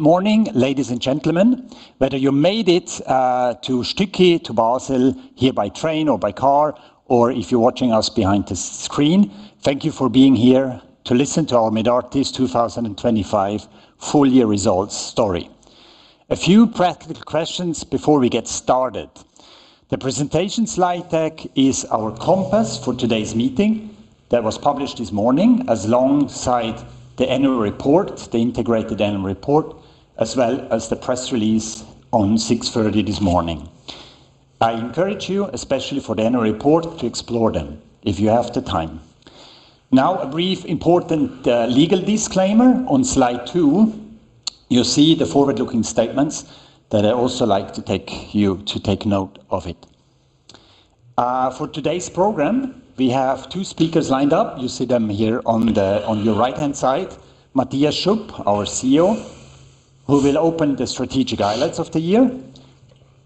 Good morning, ladies and gentlemen. Whether you made it to Stücki, to Basel, here by train or by car, or if you're watching us behind the screen, thank you for being here to listen to our Medartis 2025 full-year results story. A few practical questions before we get started. The presentation slide deck is our compass for today's meeting that was published this morning alongside the annual report, the integrated annual report, as well as the press release on 6:30 A.M. this morning. I encourage you, especially for the annual report, to explore them if you have the time. Now, a brief important legal disclaimer on slide two. You'll see the forward-looking statements that I also like you to take note of it. For today's program, we have two speakers lined up. You see them here on your right-hand side. Matthias Schupp, our CEO, who will open the strategic highlights of the year.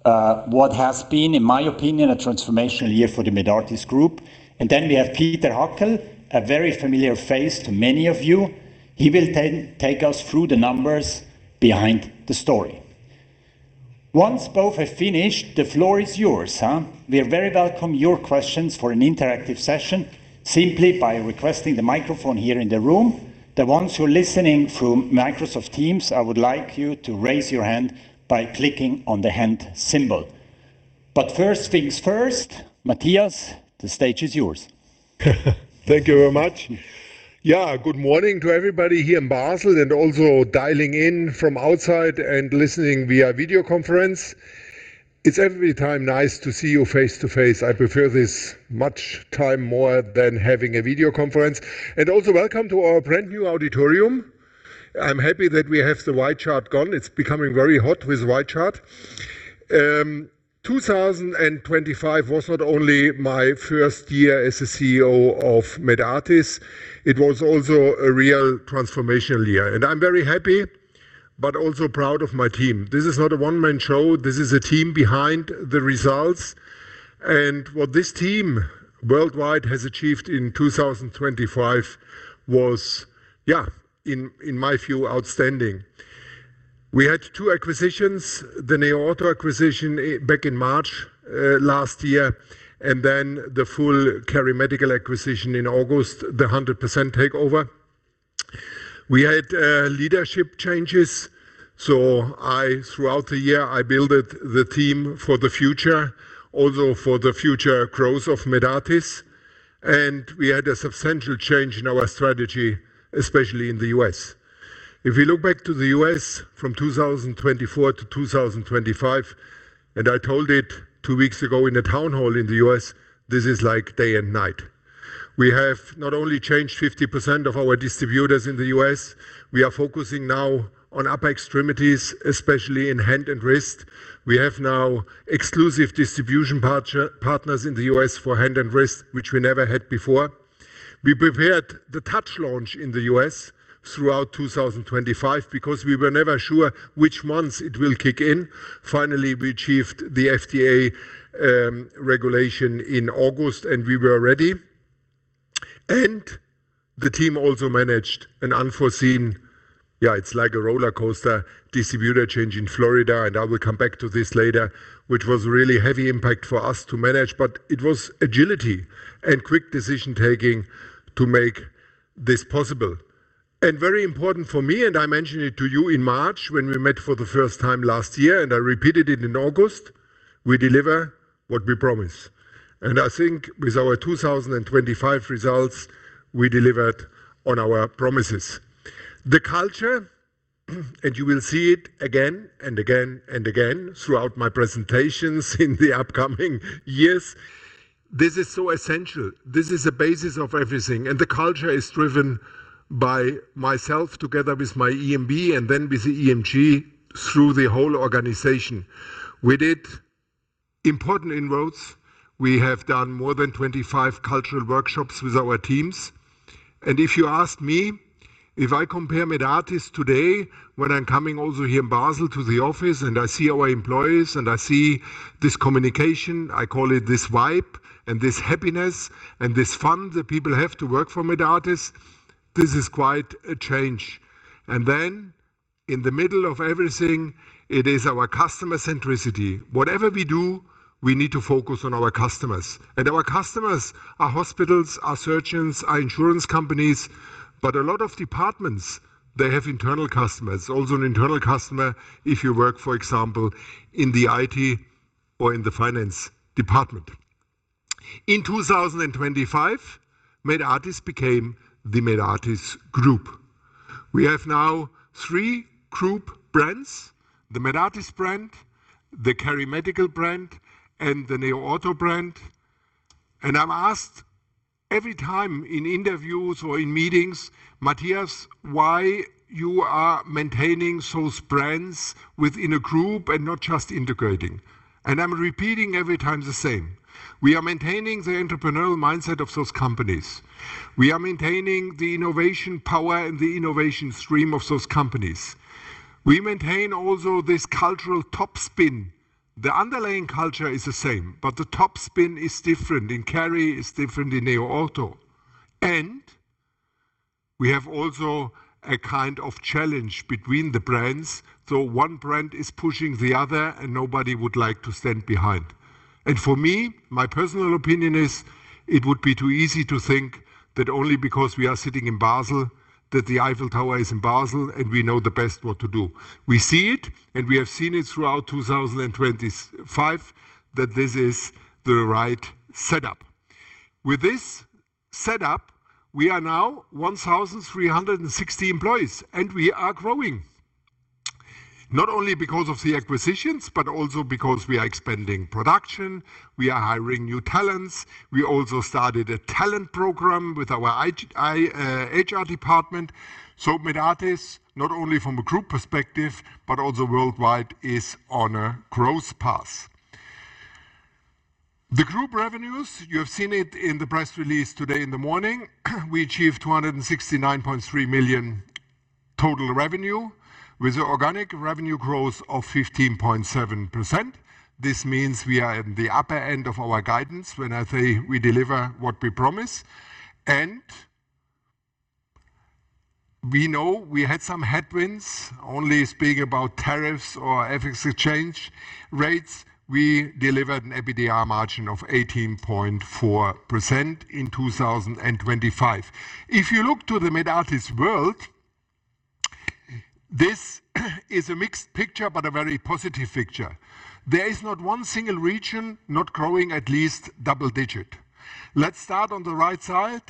What has been, in my opinion, a transformational year for the Medartis Group. Then we have Peter Hackel, a very familiar face to many of you. He will take us through the numbers behind the story. Once both are finished, the floor is yours. We very welcome your questions for an interactive session simply by requesting the microphone here in the room. The ones who are listening through Microsoft Teams, I would like you to raise your hand by clicking on the hand symbol. First things first, Matthias, the stage is yours. Thank you very much. Yeah, good morning to everybody here in Basel and also dialing in from outside and listening via video conference. It's every time nice to see you face to face. I prefer this much time more than having a video conference. Also welcome to our brand-new auditorium. I'm happy that we have the white chart gone. It's becoming very hot with white chart. 2025 was not only my first year as the CEO of Medartis, it was also a real transformational year. I'm very happy but also proud of my team. This is not a one-man show. This is a team behind the results. What this team worldwide has achieved in 2025 was, yeah, in my view, outstanding. We had two acquisitions, the NeoOrtho acquisition back in March last year, and then the full KeriMedical acquisition in August, the 100% takeover. We had leadership changes, so throughout the year, I builded the team for the future, also for the future growth of Medartis, and we had a substantial change in our strategy, especially in the U.S. If you look back to the U.S. from 2024 to 2025, and I told it two weeks ago in a town hall in the U.S., this is like day and night. We have not only changed 50% of our distributors in the U.S. We are focusing now on upper extremities, especially in hand and wrist. We have now exclusive distribution partners in the U.S. for hand and wrist, which we never had before. We prepared the TOUCH launch in the U.S. throughout 2025 because we were never sure which months it will kick in. Finally, we achieved the FDA regulation in August, and we were ready. The team also managed an unforeseen, it's like a roller coaster, distributor change in Florida, and I will come back to this later, which was really heavy impact for us to manage, but it was agility and quick decision-making to make this possible. Very important for me, and I mentioned it to you in March when we met for the first time last year, and I repeated it in August, we deliver what we promise. I think with our 2025 results, we delivered on our promises. The culture, and you will see it again and again and again throughout my presentations in the upcoming years, this is so essential. This is the basis of everything. The culture is driven by myself together with my EMB and then with the EMG through the whole organization. We did important inroads. We have done more than 25 cultural workshops with our teams. If you ask me, if I compare Medartis today, when I'm coming also here in Basel to the office, and I see our employees, and I see this communication, I call it this vibe and this happiness and this fun that people have to work for Medartis, this is quite a change. Then in the middle of everything, it is our customer centricity. Whatever we do, we need to focus on our customers. Our customers are hospitals, are surgeons, are insurance companies, but a lot of departments, they have internal customers. Also, an internal customer, if you work, for example, in the IT or in the finance department. In 2025, Medartis became the Medartis Group. We have now three group brands, the Medartis brand, the KeriMedical brand, and the NeoOrtho brand. I'm asked every time in interviews or in meetings, "Matthias, why you are maintaining those brands within a group and not just integrating?" I'm repeating every time the same. We are maintaining the entrepreneurial mindset of those companies. We are maintaining the innovation power and the innovation stream of those companies. We maintain also this cultural top spin. The underlying culture is the same, but the top spin is different. In Keri, it's different in NeoOrtho. We have also a kind of challenge between the brands. One brand is pushing the other, and nobody would like to stand behind. For me, my personal opinion is it would be too easy to think that only because we are sitting in Basel, that the Eiffel Tower is in Basel, and we know the best what to do. We see it, and we have seen it throughout 2025 that this is the right setup. With this setup, we are now 1,360 employees, and we are growing. Not only because of the acquisitions, but also because we are expanding production. We are hiring new talents. We also started a talent program with our HR department. Medartis, not only from a group perspective, but also worldwide, is on a growth path. The group revenues, you have seen it in the press release today in the morning, we achieved 269.3 million total revenue with organic revenue growth of 15.7%. This means we are at the upper end of our guidance when I say we deliver what we promise. We know we had some headwinds, only speaking about tariffs or FX exchange rates. We delivered an EBITDA margin of 18.4% in 2025. If you look to the Medartis world, this is a mixed picture, but a very positive picture. There is not one single region not growing at least double-digit. Let's start on the right side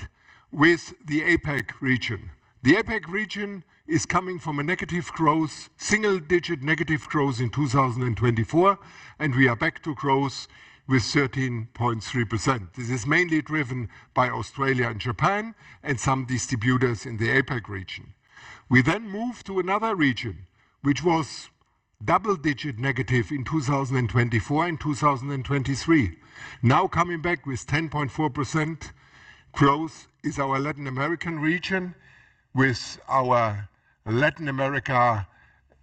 with the APAC region. The APAC region is coming from a negative growth, single-digit negative growth in 2024, and we are back to growth with 13.3%. This is mainly driven by Australia and Japan and some distributors in the APAC region. We move to another region which was double-digit negative in 2024 and 2023. Now coming back with 10.4% growth is our Latin American region with our Latin America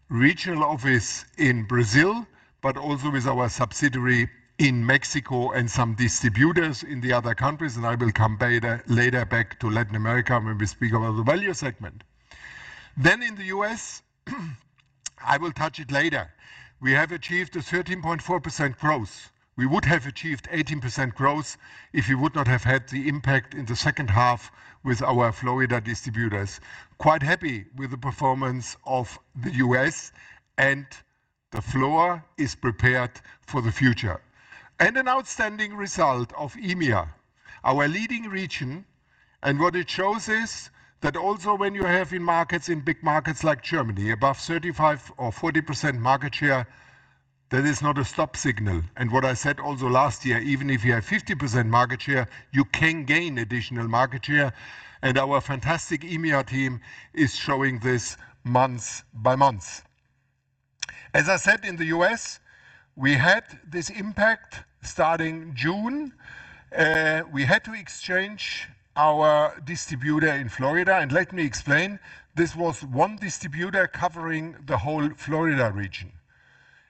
regional office in Brazil, but also with our subsidiary in Mexico and some distributors in the other countries. I will come later back to Latin America when we speak about the value segment. In the U.S., I will touch it later. We have achieved a 13.4% growth. We would have achieved 18% growth if we would not have had the impact in the second half with our Florida distributors. Quite happy with the performance of the U.S., and the floor is prepared for the future. An outstanding result of EMEA, our leading region. What it shows is that also when you have in markets, in big markets like Germany, above 35% or 40% market share, that is not a stop signal. What I said also last year, even if you have 50% market share, you can gain additional market share. Our fantastic EMEA team is showing this month by month. As I said, in the U.S., we had this impact starting June. We had to exchange our distributor in Florida and let me explain. This was one distributor covering the whole Florida region,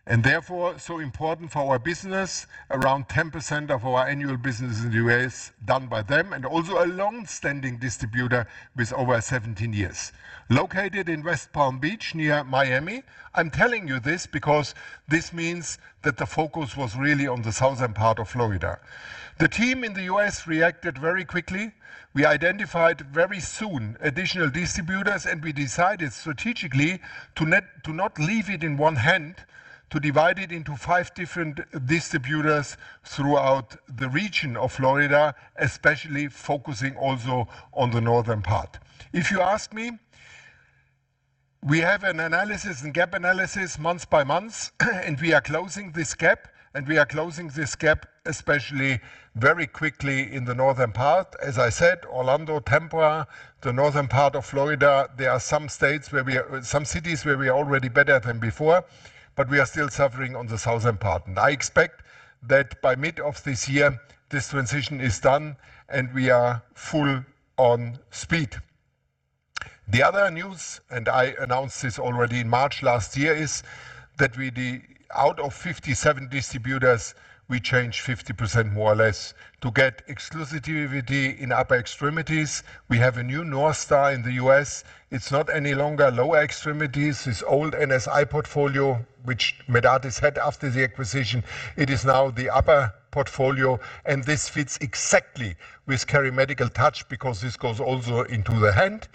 and therefore, so important for our business. Around 10% of our annual business in the U.S. done by them, and also a long-standing distributor with over 17 years. Located in West Palm Beach near Miami. I'm telling you this because this means that the focus was really on the southern part of Florida. The team in the U.S. reacted very quickly. We identified very soon additional distributors, and we decided strategically to not leave it in one hand, to divide it into five different distributors throughout the region of Florida, especially focusing also on the northern part. If you ask me, we have an analysis and gap analysis month-by-month, and we are closing this gap, and we are closing this gap especially very quickly in the northern part. As I said, Orlando, Tampa, the northern part of Florida, there are some cities where we are already better than before, but we are still suffering on the southern part. I expect that by mid of this year, this transition is done, and we are full on speed. The other news, and I announced this already in March last year, is that we out of 57 distributors, we changed 50% more or less to get exclusivity in upper extremities. We have a new north star in the U.S. It's not any longer lower extremities. It's old NSI portfolio, which Medartis had after the acquisition. It is now the upper portfolio, and this fits exactly with KeriMedical TOUCH because this goes also into the hand.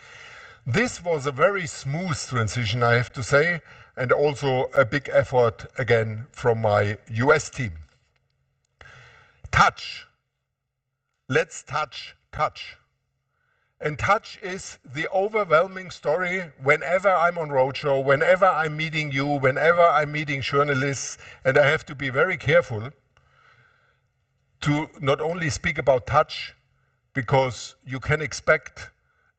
This was a very smooth transition, I have to say, and also a big effort again from my U.S. team. TOUCH. Let's touch TOUCH. TOUCH is the overwhelming story. Whenever I'm on roadshow, whenever I'm meeting you, whenever I'm meeting journalists, and I have to be very careful to not only speak about TOUCH because you can expect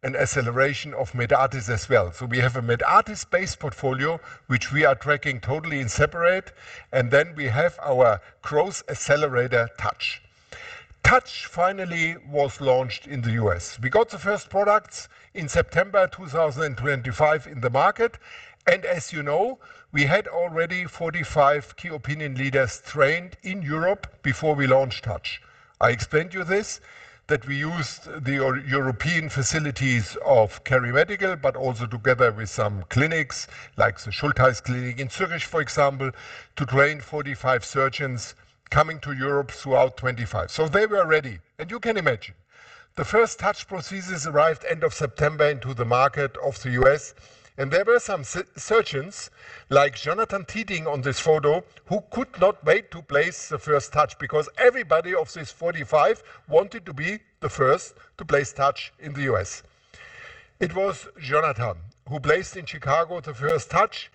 an acceleration of Medartis as well. We have a Medartis-based portfolio, which we are tracking totally separate, and then we have our growth accelerator, TOUCH. TOUCH finally was launched in the U.S. We got the first products in September 2025 in the market. As you know, we had already 45 key opinion leaders trained in Europe before we launched TOUCH. I explained you this, that we used the European facilities of KeriMedical, but also together with some clinics like the Schulthess Klinik in Zurich, for example, to train 45 surgeons coming to Europe throughout 2025. They were ready. You can imagine, the first TOUCH Prosthesis arrived end of September into the market of the U.S., and there were some surgeons like Jonathan Tueting on this photo, who could not wait to place the first TOUCH because everybody of these 45 wanted to be the first to place TOUCH in the U.S. It was Jonathan who placed in Chicago the first TOUCH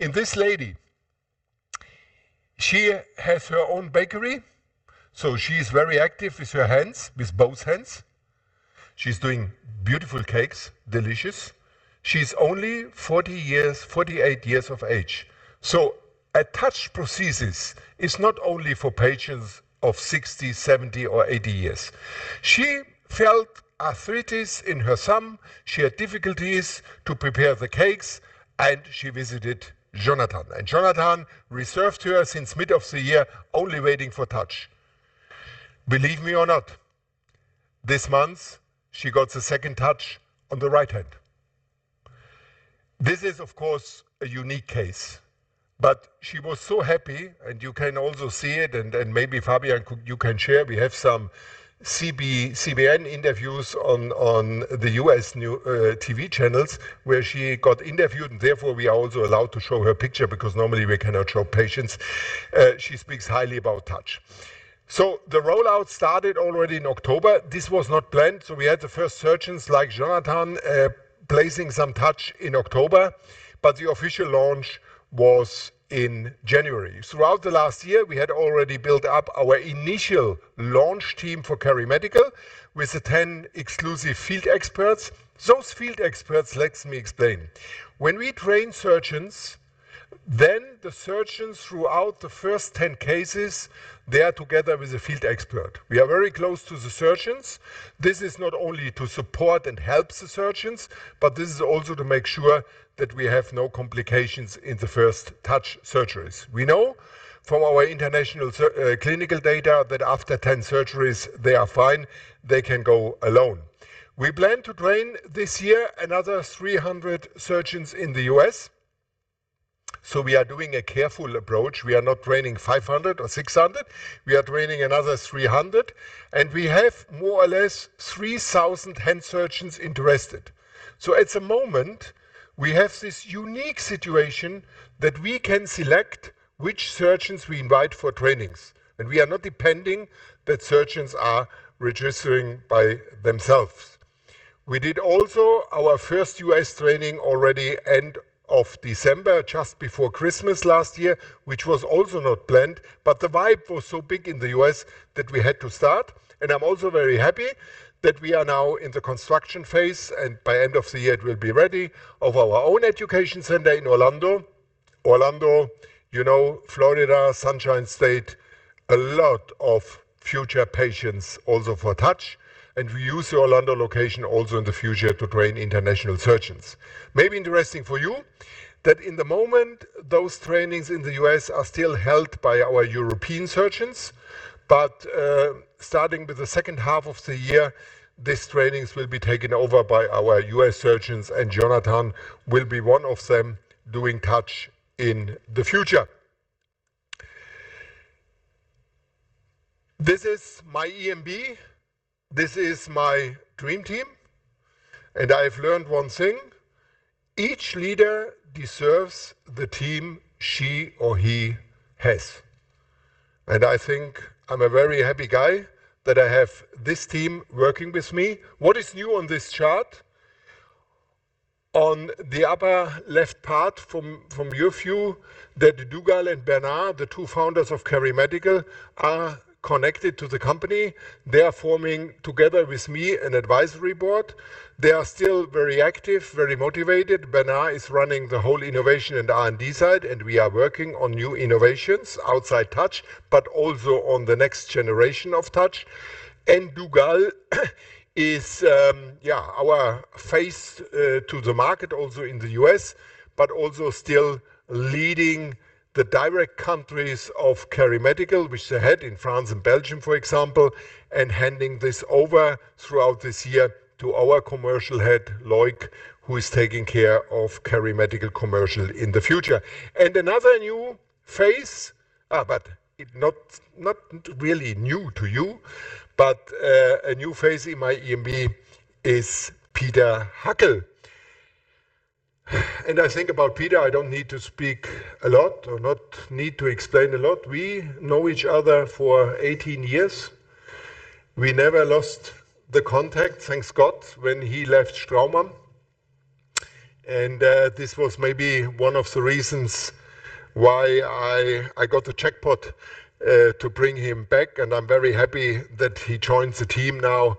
in this lady. She has her own bakery, so she's very active with her hands, with both hands. She's doing beautiful cakes, delicious. She's only 48 years of age. A TOUCH Prosthesis is not only for patients of 60, 70, or 80 years. She felt arthritis in her thumb. She had difficulties to prepare the cakes, and she visited Jonathan. Jonathan reserved her since mid of the year, only waiting for TOUCH. Believe me or not, this month she got the second TOUCH on the right hand. This is, of course, a unique case, but she was so happy, and you can also see it, and maybe Fabian could share. We have some CNBC interviews on the U.S. news TV channels where she got interviewed, and therefore we are also allowed to show her picture because normally we cannot show patients. She speaks highly about TOUCH. The rollout started already in October. This was not planned, so we had the first surgeons like Jonathan placing some TOUCH in October, but the official launch was in January. Throughout the last year, we had already built up our initial launch team for KeriMedical with the 10 exclusive field experts. Those field experts, let me explain. When we train surgeons, then the surgeons throughout the first 10 cases, they are together with a field expert. We are very close to the surgeons. This is not only to support and help the surgeons, but this is also to make sure that we have no complications in the first TOUCH surgeries. We know from our international clinical data that after 10 surgeries, they are fine. They can go alone. We plan to train this year another 300 surgeons in the U.S., so we are doing a careful approach. We are not training 500 or 600. We are training another 300, and we have more or less 3,000 hand surgeons interested. At the moment, we have this unique situation that we can select which surgeons we invite for trainings, and we are not depending that surgeons are registering by themselves. We did also our first U.S. training already end of December, just before Christmas last year, which was also not planned, but the vibe was so big in the U.S. that we had to start. I'm also very happy that we are now in the construction phase, and by end of the year it will be ready of our own education center in Orlando. Orlando, you know, Florida, Sunshine State, a lot of future patients also for TOUCH, and we use the Orlando location also in the future to train international surgeons. Maybe interesting for you that in the moment, those trainings in the U.S. are still held by our European surgeons, but starting with the second half of the year, these trainings will be taken over by our U.S. surgeons, and Jonathan will be one of them doing TOUCH in the future. This is my EMB. This is my dream team, and I've learned one thing. Each leader deserves the team she or he has. I think I'm a very happy guy that I have this team working with me. What is new on this chart? On the upper left part, from your view, that Dougal and Bernard, the two founders of KeriMedical, are connected to the company. They are forming together with me an advisory board. They are still very active, very motivated. Bernard is running the whole innovation and R&D side, and we are working on new innovations outside TOUCH, but also on the next generation of TOUCH. Dougal is our face to the market also in the U.S., but also still leading the direct countries of KeriMedical, which they had in France and Belgium, for example, and handing this over throughout this year to our commercial head, Loïc, who is taking care of KeriMedical commercial in the future. Another new face, but not really new to you, a new face in my EMB is Peter Hackel. I think about Peter, I don't need to speak a lot or not need to explain a lot. We know each other for 18 years. We never lost the contact, thank God, when he left Straumann. This was maybe one of the reasons why I got the jackpot to bring him back, and I'm very happy that he joins the team now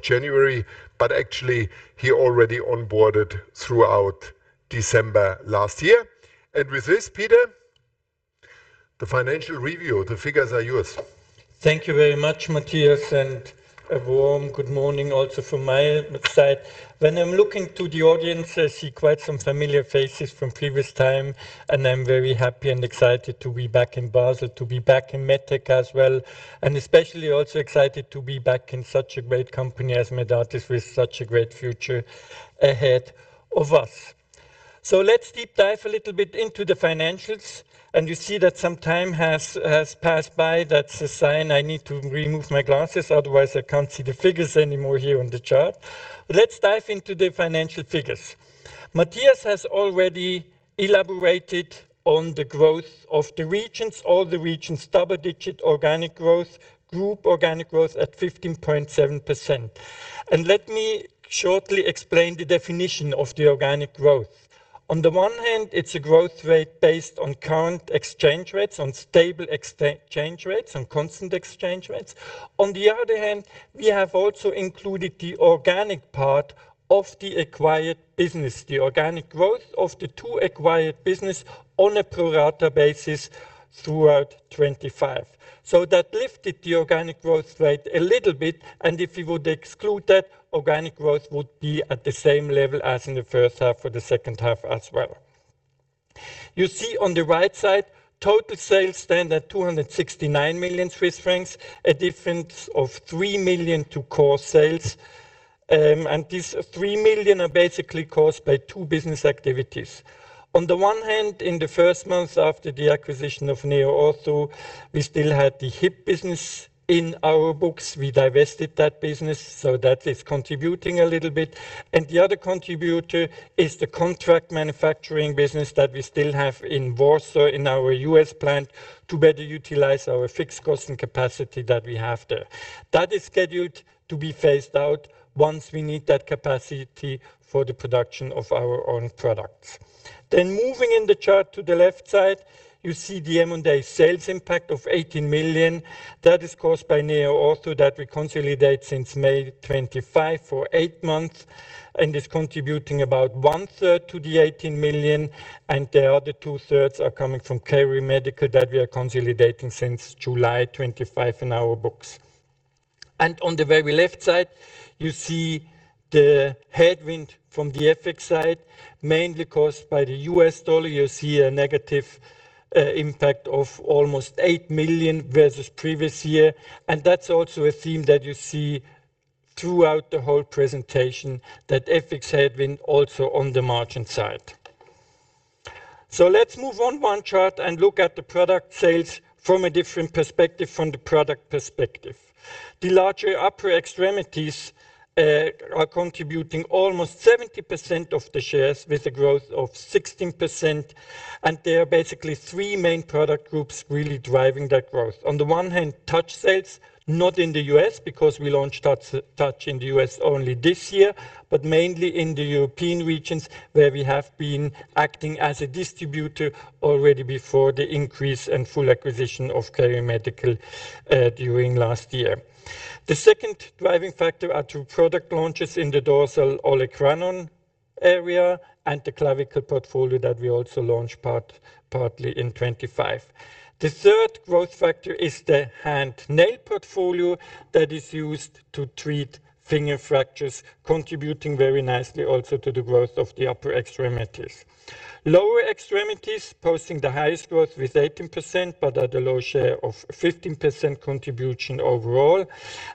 January 1, 2026. Actually, he already onboarded throughout December last year. With this, Peter. The financial review, the figures are yours. Thank you very much, Matthias, and a warm good morning also from my side. When I'm looking to the audience, I see quite some familiar faces from previous time, and I'm very happy and excited to be back in Basel, to be back in MedTech as well, and especially also excited to be back in such a great company as Medartis with such a great future ahead of us. Let's deep dive a little bit into the financials, and you see that some time has passed by. That's a sign I need to remove my glasses, otherwise I can't see the figures anymore here on the chart. Let's dive into the financial figures. Matthias has already elaborated on the growth of the regions. All the regions, double-digit organic growth, group organic growth at 15.7%. Let me shortly explain the definition of the organic growth. On the one hand, it's a growth rate based on current exchange rates, on stable exchange rates, on constant exchange rates. On the other hand, we have also included the organic part of the acquired business, the organic growth of the two acquired business on a pro rata basis throughout 2025. So that lifted the organic growth rate a little bit, and if we would exclude that, organic growth would be at the same level as in the first half or the second half as well. You see on the right side, total sales stand at 269 million Swiss francs, a difference of 3 million to core sales. These 3 million are basically caused by two business activities. On the one hand, in the first months after the acquisition of NeoOrtho, we still had the hip business in our books. We divested that business, so that is contributing a little bit. The other contributor is the contract manufacturing business that we still have in Warsaw, Indiana, in our U.S. plant, to better utilize our fixed cost and capacity that we have there. That is scheduled to be phased out once we need that capacity for the production of our own products. Moving in the chart to the left side, you see the M&A sales impact of 18 million. That is caused by NeoOrtho that we consolidate since May 2025 for eight months and is contributing about one-third to the 18 million, and the other two-thirds are coming from KeriMedical that we are consolidating since July 2025 in our books. On the very left side, you see the headwind from the FX side, mainly caused by the U.S. dollar. You see a negative impact of almost 8 million versus previous year, and that's also a theme that you see throughout the whole presentation, that FX headwind also on the margin side. Let's move on to one chart and look at the product sales from a different perspective, from the product perspective. The larger upper extremities are contributing almost 70% of the sales with a growth of 16%, and there are basically three main product groups really driving that growth. On the one hand, TOUCH sales, not in the U.S. because we launched TOUCH in the U.S. only this year, but mainly in the European regions where we have been acting as a distributor already before the increase and full acquisition of KeriMedical during last year. The second driving factor are two product launches in the dorsal olecranon area and the clavicle portfolio that we also launched partly in 2025. The third growth factor is the hand nail portfolio that is used to treat finger fractures, contributing very nicely also to the growth of the upper extremities. Lower extremities posting the highest growth with 18% but at a low share of 15% contribution overall.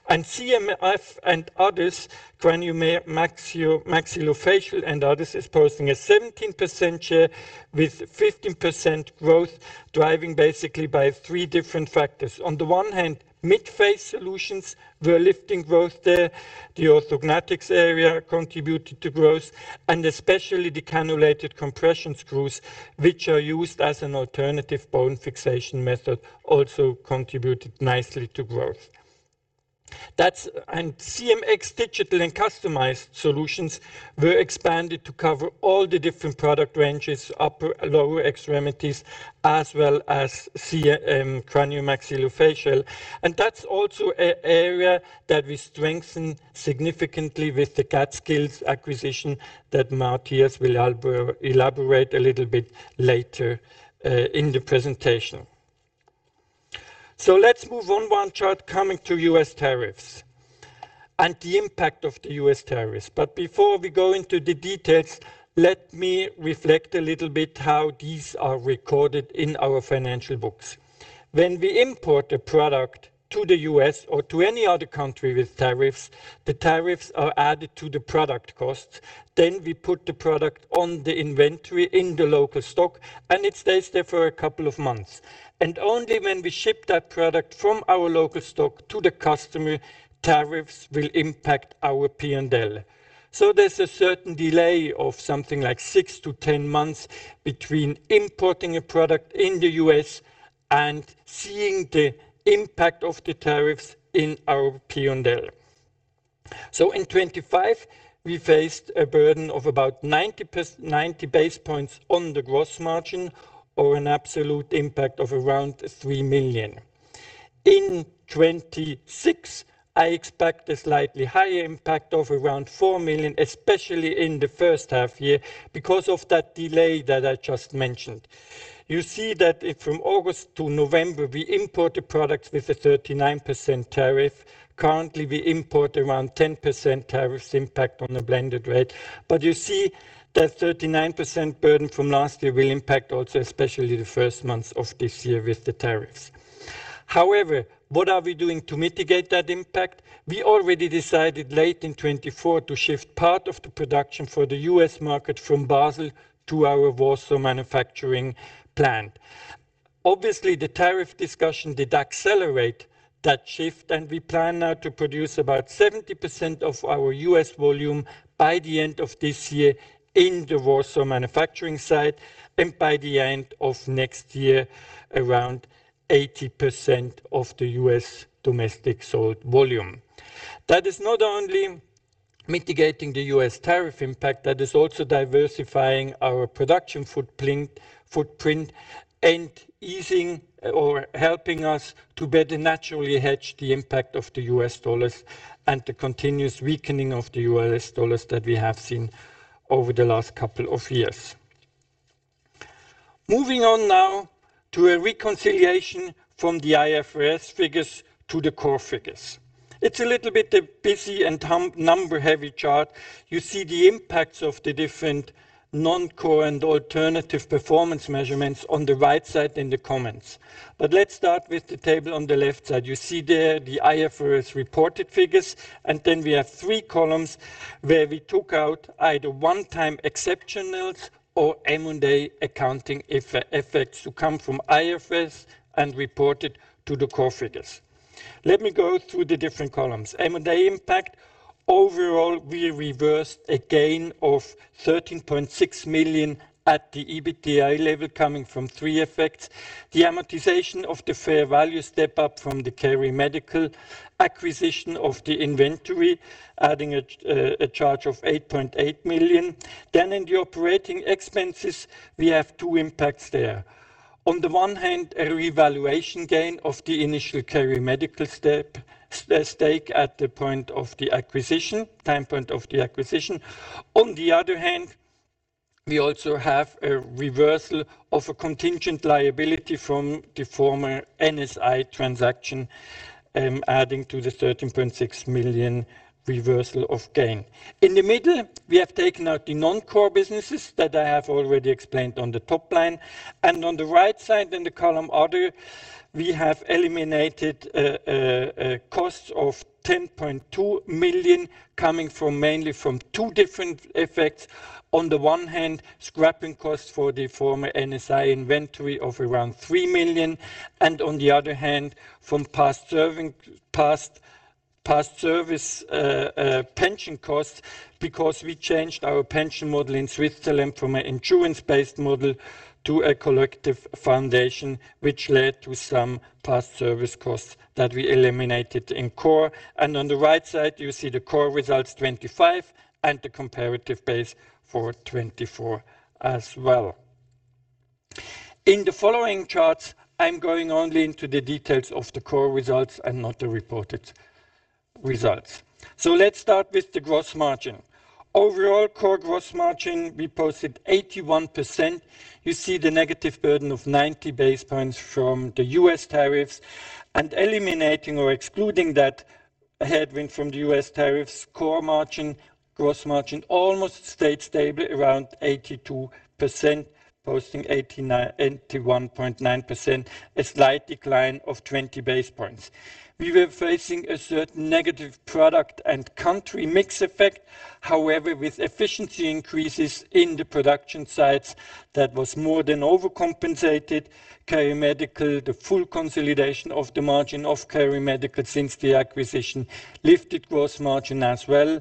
CMF and others, craniomaxillofacial and others, is posting a 17% share with 15% growth driving basically by three different factors. On the one hand, Midface solutions were lifting growth there, the Orthognathics area contributed to growth, and especially the cannulated compression screws, which are used as an alternative bone fixation method, also contributed nicely to growth. CMX digital and customized solutions were expanded to cover all the different product ranges, upper, lower extremities, as well as cranio-maxillofacial. That's also an area that we strengthen significantly with the CADskills acquisition that Matthias will elaborate a little bit later in the presentation. Let's move on one chart coming to U.S. tariffs and the impact of the U.S. tariffs. Before we go into the details, let me reflect a little bit how these are recorded in our financial books. When we import a product to the U.S. or to any other country with tariffs, the tariffs are added to the product cost. Then we put the product on the inventory in the local stock, and it stays there for a couple of months. Only when we ship that product from our local stock to the customer, tariffs will impact our P&L. There's a certain delay of something like six to 10 months between importing a product in the U.S. and seeing the impact of the tariffs in our P&L. In 2025, we faced a burden of about 90 basis points on the gross margin or an absolute impact of around 3 million. In 2026, I expect a slightly higher impact of around 4 million, especially in the first half year because of that delay that I just mentioned. You see that if from August to November, we import the products with a 39% tariff. Currently, we import around 10% tariffs impact on the blended rate. But you see that 39% burden from last year will impact also especially the first months of this year with the tariffs. However, what are we doing to mitigate that impact? We already decided late in 2024 to shift part of the production for the U.S. market from Basel to our Warsaw manufacturing plant. Obviously, the tariff discussion did accelerate that shift, and we plan now to produce about 70% of our U.S. Volume by the end of this year in the Warsaw manufacturing site and by the end of next year, around 80% of the U.S. Domestic sold volume. That is not only mitigating the U.S. Tariff impact that is also diversifying our production footprint and easing or helping us to better naturally hedge the impact of the U.S. dollars and the continuous weakening of the U.S. dollars that we have seen over the last couple of years. Moving on now to a reconciliation from the IFRS figures to the core figures. It's a little bit a busy and number heavy chart. You see the impacts of the different non-core and alternative performance measurements on the right side in the comments. Let's start with the table on the left side. You see there the IFRS reported figures, and then we have three columns where we took out either one-time exceptionals or M&A accounting effects to come from IFRS and report it to the core figures. Let me go through the different columns. M&A impact. Overall, we reversed a gain of 13.6 million at the EBITDA level coming from three effects. The amortization of the fair value step-up from the KeriMedical acquisition of the inventory, adding a charge of 8.8 million. Then in the operating expenses, we have two impacts there. On the one hand, a revaluation gain of the initial KeriMedical stake at the point of the acquisition time point of the acquisition. On the other hand, we also have a reversal of a contingent liability from the former NSI transaction, adding to the 13.6 million reversal of gain. In the middle, we have taken out the non-core businesses that I have already explained on the top line. On the right side in the column other, we have eliminated costs of 10.2 million coming from mainly from two different effects. On the one hand, scrapping costs for the former NSI inventory of around 3 million, and on the other hand, from past service pension costs because we changed our pension model in Switzerland from an insurance-based model to a collective foundation, which led to some past service costs that we eliminated in core. On the right side, you see the core results 2025 and the comparative base for 2024 as well. In the following charts, I'm going only into the details of the core results and not the reported results. Let's start with the gross margin. Overall core gross margin, we posted 81%. You see the negative burden of 90 basis points from the U.S. tariffs. Eliminating or excluding that headwind from the U.S. tariffs, core margin, gross margin almost stayed stable around 82%, posting 81.9%, a slight decline of 20 basis points. We were facing a certain negative product and country mix effect. However, with efficiency increases in the production sites, that was more than overcompensated. KeriMedical, the full consolidation of the margin of KeriMedical since the acquisition lifted gross margin as well.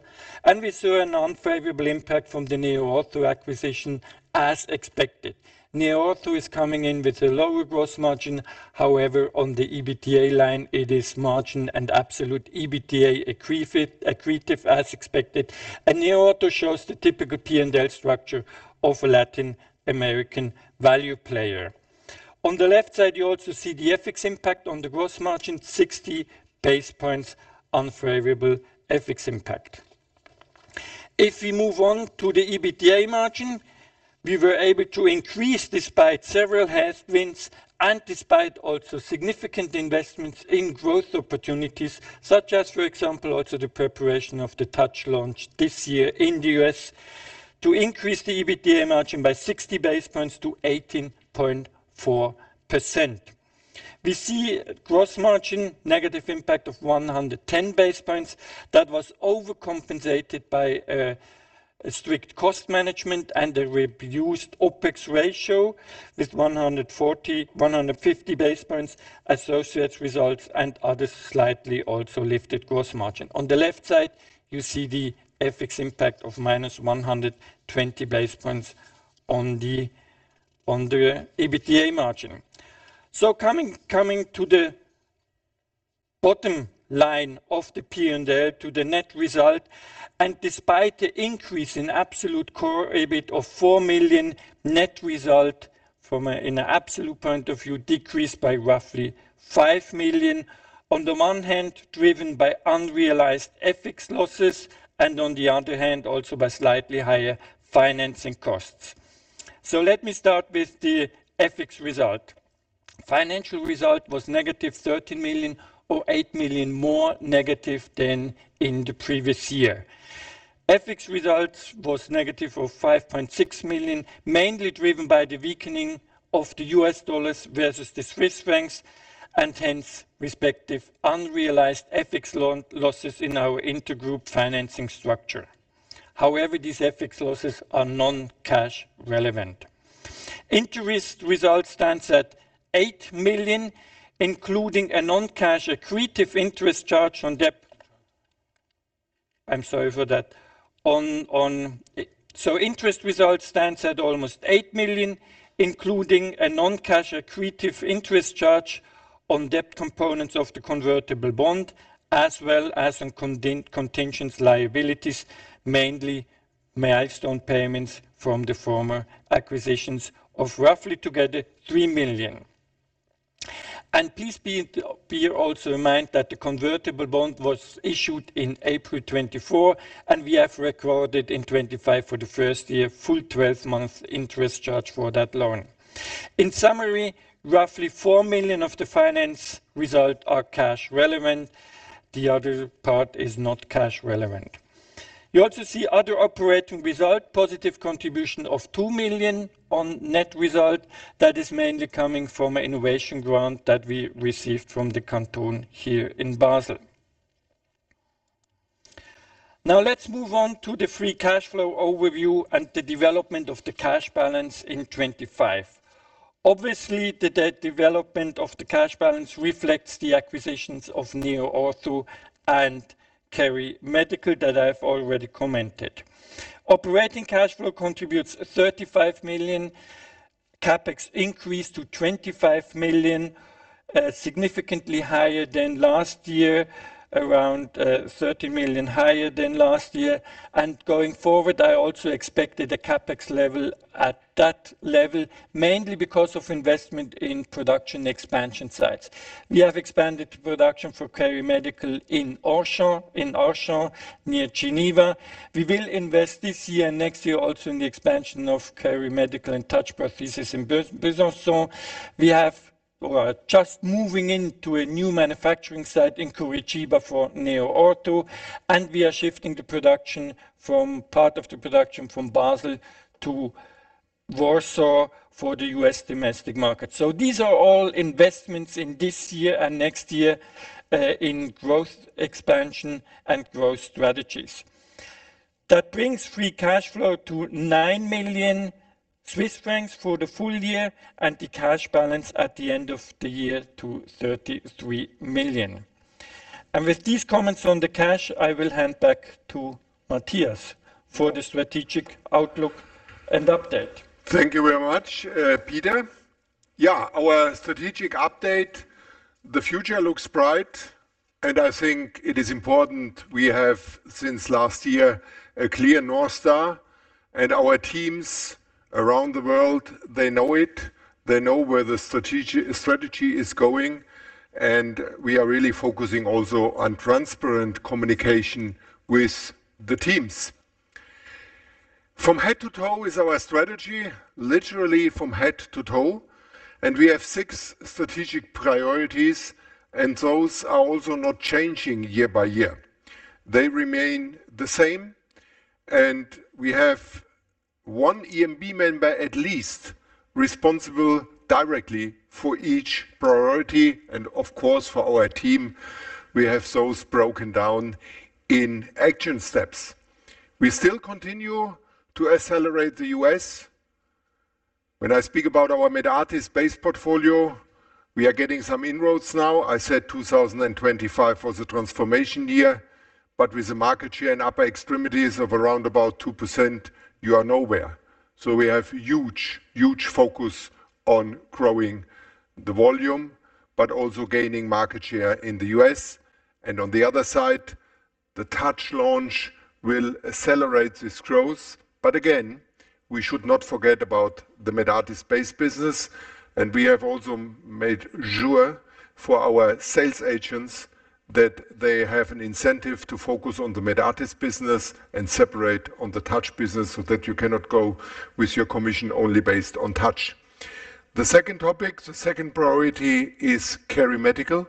We saw an unfavorable impact from the NeoOrtho acquisition as expected. NeoOrtho is coming in with a lower gross margin. However, on the EBITDA line, it is margin and absolute EBITDA accretive as expected. NeoOrtho shows the typical P&L structure of a Latin American value player. On the left side, you also see the FX impact on the gross margin, 60 basis points unfavorable FX impact. If we move on to the EBITDA margin, we were able to increase despite several headwinds and despite also significant investments in growth opportunities, such as, for example, also the preparation of the TOUCH launch this year in the U.S. to increase the EBITDA margin by 60 basis points to 18.4%. We see gross margin negative impact of 110 basis points. That was overcompensated by a strict cost management and a reduced OpEx ratio with 140-150 basis points, acquisitions results, and others slightly also lifted gross margin. On the left side, you see the FX impact of -120 basis points on the EBITDA margin. Coming to the bottom line of the P&L to the net result. Despite the increase in absolute core EBIT of 4 million, net result in absolute point of view decreased by roughly 5 million. On the one hand, driven by unrealized FX losses and on the other hand, also by slightly higher financing costs. Let me start with the FX result. Financial result was -13 million or -8 million more negative than in the previous year. FX results was -5.6 million, mainly driven by the weakening of the U.S. dollar versus the Swiss franc, and hence respective unrealized FX losses in our intergroup financing structure. However, these FX losses are non-cash relevant. Interest result stands at 8 million, including a non-cash accretive interest charge on debt. Interest result stands at almost 8 million, including a non-cash accretive interest charge on debt components of the convertible bond, as well as on contingent liabilities, mainly milestone payments from the former acquisitions of roughly together 3 million. Please be also reminded that the convertible bond was issued in April 2024, and we have recorded in 2025 for the first year full 12-month interest charge for that loan. In summary, roughly 4 million of the finance result are cash relevant. The other part is not cash relevant. You also see other operating result, positive contribution of 2 million on net result. That is mainly coming from an innovation grant that we received from the canton here in Basel. Now let's move on to the free cash flow overview and the development of the cash balance in 2025. Obviously, the development of the cash balance reflects the acquisitions of NeoOrtho and KeriMedical that I've already commented. Operating cash flow contributes 35 million. CapEx increased to 25 million, significantly higher than last year, around 30 million higher than last year. Going forward, I also expected a CapEx level at that level, mainly because of investment in production expansion sites. We have expanded production for KeriMedical in Archamps, in Archamps near Geneva. We will invest this year and next year also in the expansion of KeriMedical and TOUCH Prosthesis in Besançon. We are just moving into a new manufacturing site in Curitiba for NeoOrtho, and we are shifting part of the production from Basel to Warsaw for the U.S. domestic market. These are all investments in this year and next year in growth expansion and growth strategies. That brings free cash flow to 9 million Swiss francs for the full year and the cash balance at the end of the year to 33 million. With these comments on the cash, I will hand back to Matthias for the strategic outlook and update. Thank you very much, Peter. Yeah, our strategic update, the future looks bright, and I think it is important we have, since last year, a clear North Star. Our teams around the world, they know it, they know where the strategy is going, and we are really focusing also on transparent communication with the teams. From head to toe is our strategy, literally from head to toe, and we have six strategic priorities, and those are also not changing year by year. They remain the same, and we have one EMB member at least responsible directly for each priority. Of course, for our team, we have those broken down in action steps. We still continue to accelerate the U.S. When I speak about our Medartis-based portfolio, we are getting some inroads now. I said 2025 was a transformation year, but with the market share in upper extremities of around about 2%, you are nowhere. We have huge, huge focus on growing the volume but also gaining market share in the U.S. On the other side, the TOUCH launch will accelerate this growth. Again, we should not forget about the Medartis-based business. We have also made sure for our sales agents that they have an incentive to focus on the Medartis business and separate on the TOUCH business so that you cannot go with your commission only based on TOUCH. The second topic, the second priority is KeriMedical.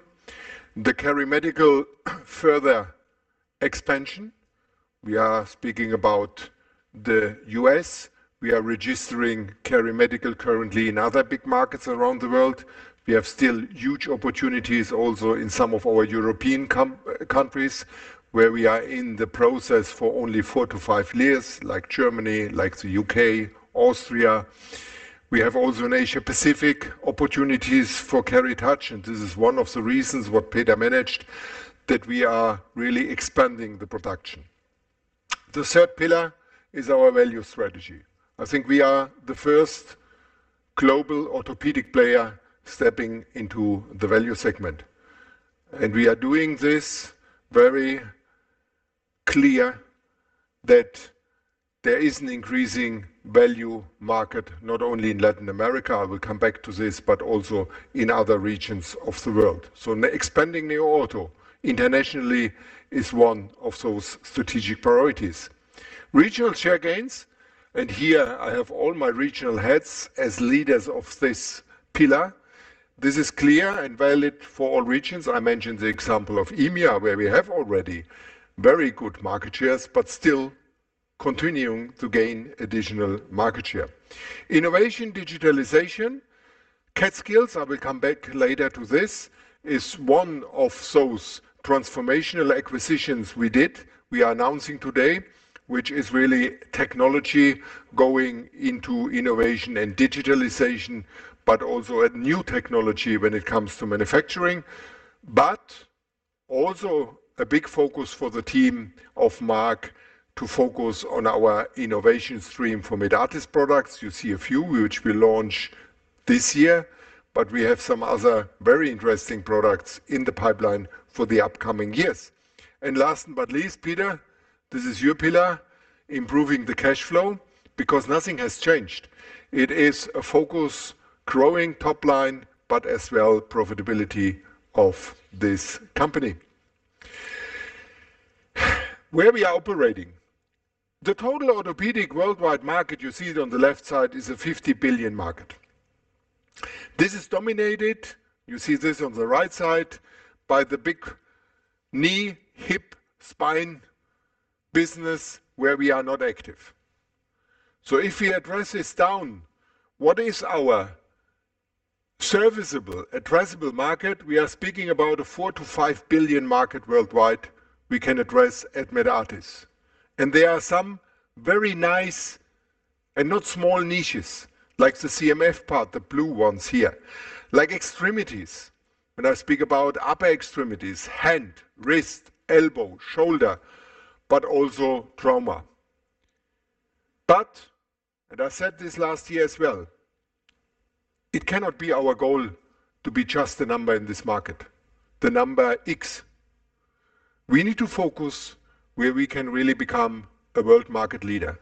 The KeriMedical further expansion. We are speaking about the U.S. We are registering KeriMedical currently in other big markets around the world. We have still huge opportunities also in some of our European countries, where we are in the process for only four to five years, like Germany, like the U.K., Austria. We have also in Asia-Pacific opportunities for Keri TOUCH, and this is one of the reasons what Peter managed, that we are really expanding the production. The third pillar is our value strategy. I think we are the first global orthopedic player stepping into the value segment. We are doing this very clear that there is an increasing value market, not only in Latin America, I will come back to this, but also in other regions of the world. Expanding NeoOrtho internationally is one of those strategic priorities. Regional share gains, and here I have all my regional heads as leaders of this pillar. This is clear and valid for all regions. I mentioned the example of EMEA, where we have already very good market shares, but still continuing to gain additional market share. Innovation, digitalization, CADskills, I will come back later to this, is one of those transformational acquisitions we did. We are announcing today, which is really technology going into innovation and digitalization, but also a new technology when it comes to manufacturing. But also, a big focus for the team of Marc to focus on our innovation stream for Medartis products. You see a few which we launch this year, but we have some other very interesting products in the pipeline for the upcoming years. Last but least, Peter, this is your pillar, improving the cash flow because nothing has changed. It is a focus growing top line, but as well profitability of this company. Where we are operating. The total orthopedic worldwide market, you see it on the left side, is a 50 billion market. This is dominated, you see this on the right side, by the big knee, hip, spine business where we are not active. If we address this down, what is our serviceable addressable market? We are speaking about a 4 billion-5 billion market worldwide we can address at Medartis. There are some very nice and not small niches like the CMF part, the blue ones here, like extremities. When I speak about upper extremities, hand, wrist, elbow, shoulder, but also trauma. And I said this last year as well, it cannot be our goal to be just a number in this market. The number X. We need to focus where we can really become a world market leader.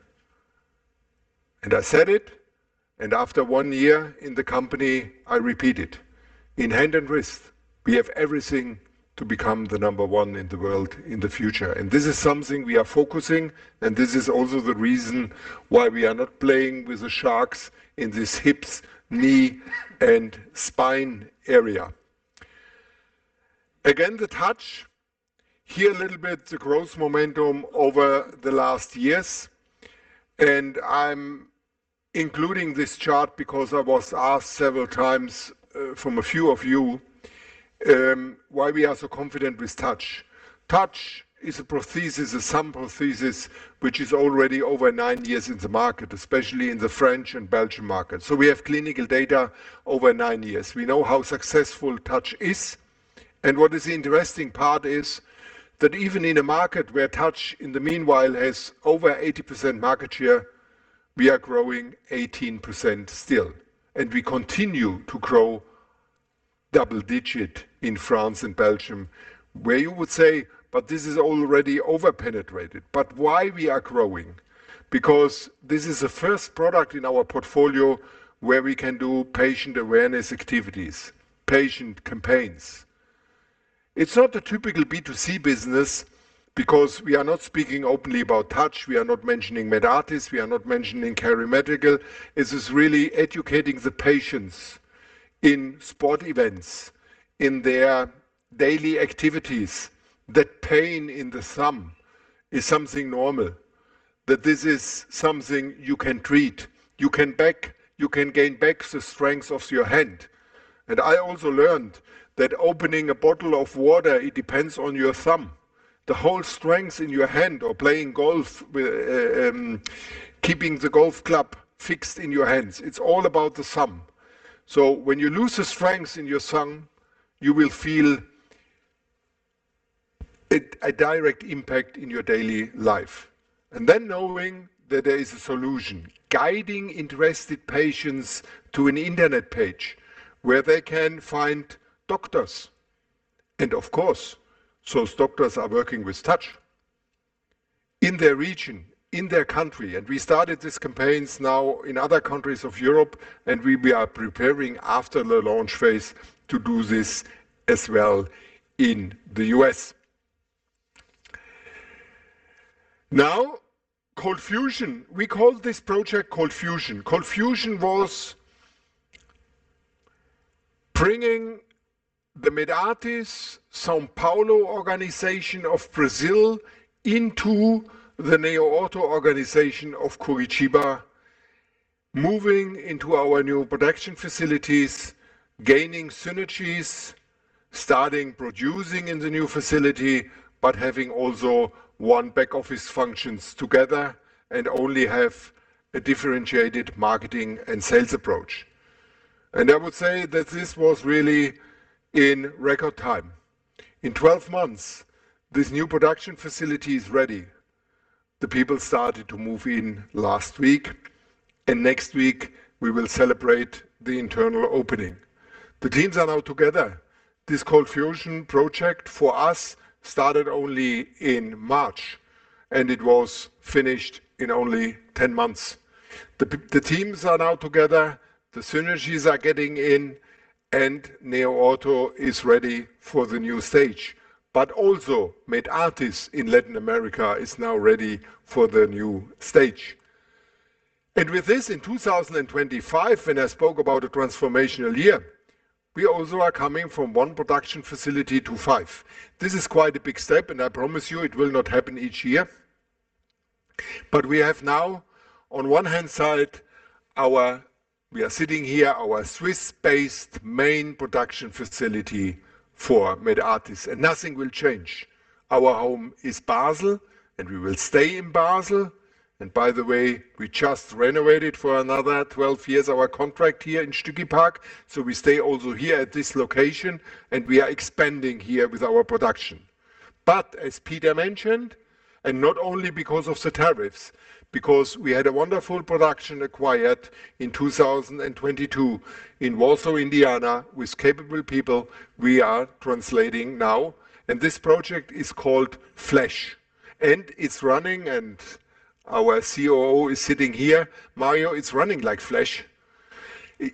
I said it, and after one year in the company, I repeat it. In hand and wrist, we have everything to become the number one in the world in the future. This is something we are focusing, and this is also the reason why we are not playing with the sharks in this hips, knee, and spine area. Again, the TOUCH. Here a little bit, the growth momentum over the last years. I'm including this chart because I was asked several times from a few of you why we are so confident with TOUCH. TOUCH is a prosthesis, a thumb prosthesis, which is already over nine years in the market, especially in the French and Belgian market. We have clinical data over nine years. We know how successful TOUCH is. What is the interesting part is that even in a market where TOUCH in the meanwhile has over 80% market share, we are growing 18% still. We continue to grow double-digit in France and Belgium, where you would say, "But this is already over-penetrated." Why we are growing, because this is the first product in our portfolio where we can do patient awareness activities, patient campaigns. It's not a typical B2C business because we are not speaking openly about TOUCH. We are not mentioning Medartis. We are not mentioning KeriMedical. This is really educating the patients in sport events, in their daily activities, that pain in the thumb is something normal, that this is something you can treat. You can gain back the strength of your hand. I also learned that opening a bottle of water, it depends on your thumb. The whole strength in your hand or playing golf, keeping the golf club fixed in your hands, it's all about the thumb. When you lose the strength in your thumb, you will feel it, a direct impact in your daily life. Knowing that there is a solution, guiding interested patients to an internet page where they can find doctors. Of course, those doctors are working with TOUCH in their region, in their country. We started these campaigns now in other countries of Europe, and we are preparing after the launch phase to do this as well in the U.S. Now, ColdFusion. We call this project ColdFusion. ColdFusion was bringing the Medartis São Paulo organization of Brazil into the NeoOrtho organization of Curitiba, moving into our new production facilities, gaining synergies, starting producing in the new facility, but having also one back-office functions together and only have a differentiated marketing and sales approach. I would say that this was really in record time. In 12 months, this new production facility is ready. The people started to move in last week, and next week we will celebrate the internal opening. The teams are now together. This ColdFusion project for us started only in March, and it was finished in only 10 months. The teams are now together, the synergies are getting in, and NeoOrtho is ready for the new stage. Medartis in Latin America is now ready for the new stage. With this, in 2025, and I spoke about a transformational year, we also are coming from one production facility to five. This is quite a big step, and I promise you it will not happen each year. We have now on one hand side. We are sitting here, our Swiss-based main production facility for Medartis, and nothing will change. Our home is Basel, and we will stay in Basel. By the way, we just renovated for another 12 years our contract here in Stücki Park. We stay also here at this location, and we are expanding here with our production. As Peter mentioned, and not only because of the tariffs, because we had a wonderful production acquired in 2022 in Warsaw, Indiana, with capable people, we are transferring now, and this project is called Flash, and it's running, and our COO is sitting here. Mario, it's running like Flash.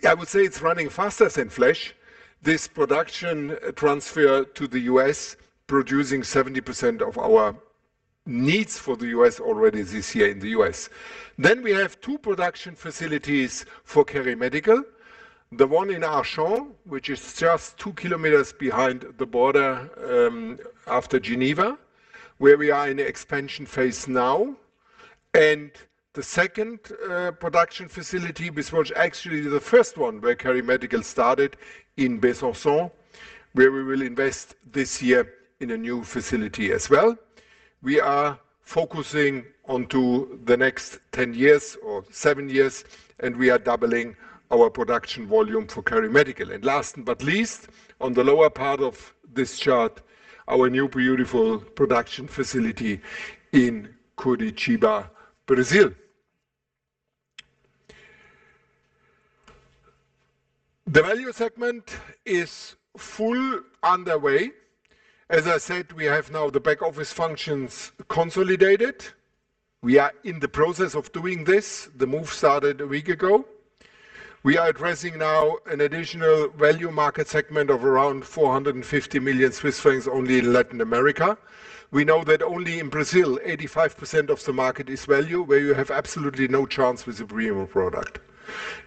I would say it's running faster than Flash. This production transfer to the U.S., producing 70% of our needs for the U.S. Already this year in the U.S. We have two production facilities for KeriMedical. The one in Archamps, which is just 2km behind the border, after Geneva, where we are in the expansion phase now. The second production facility, which was actually the first one where KeriMedical started in Besançon, where we will invest this year in a new facility as well. We are focusing onto the next 10 years or seven years, and we are doubling our production volume for KeriMedical. Last but least, on the lower part of this chart, our new beautiful production facility in Curitiba, Brazil. The value segment is fully underway. As I said, we have now the back-office functions consolidated. We are in the process of doing this. The move started a week ago. We are addressing now an additional value market segment of around 450 million Swiss francs only in Latin America. We know that only in Brazil, 85% of the market is value, where you have absolutely no chance with a premium product.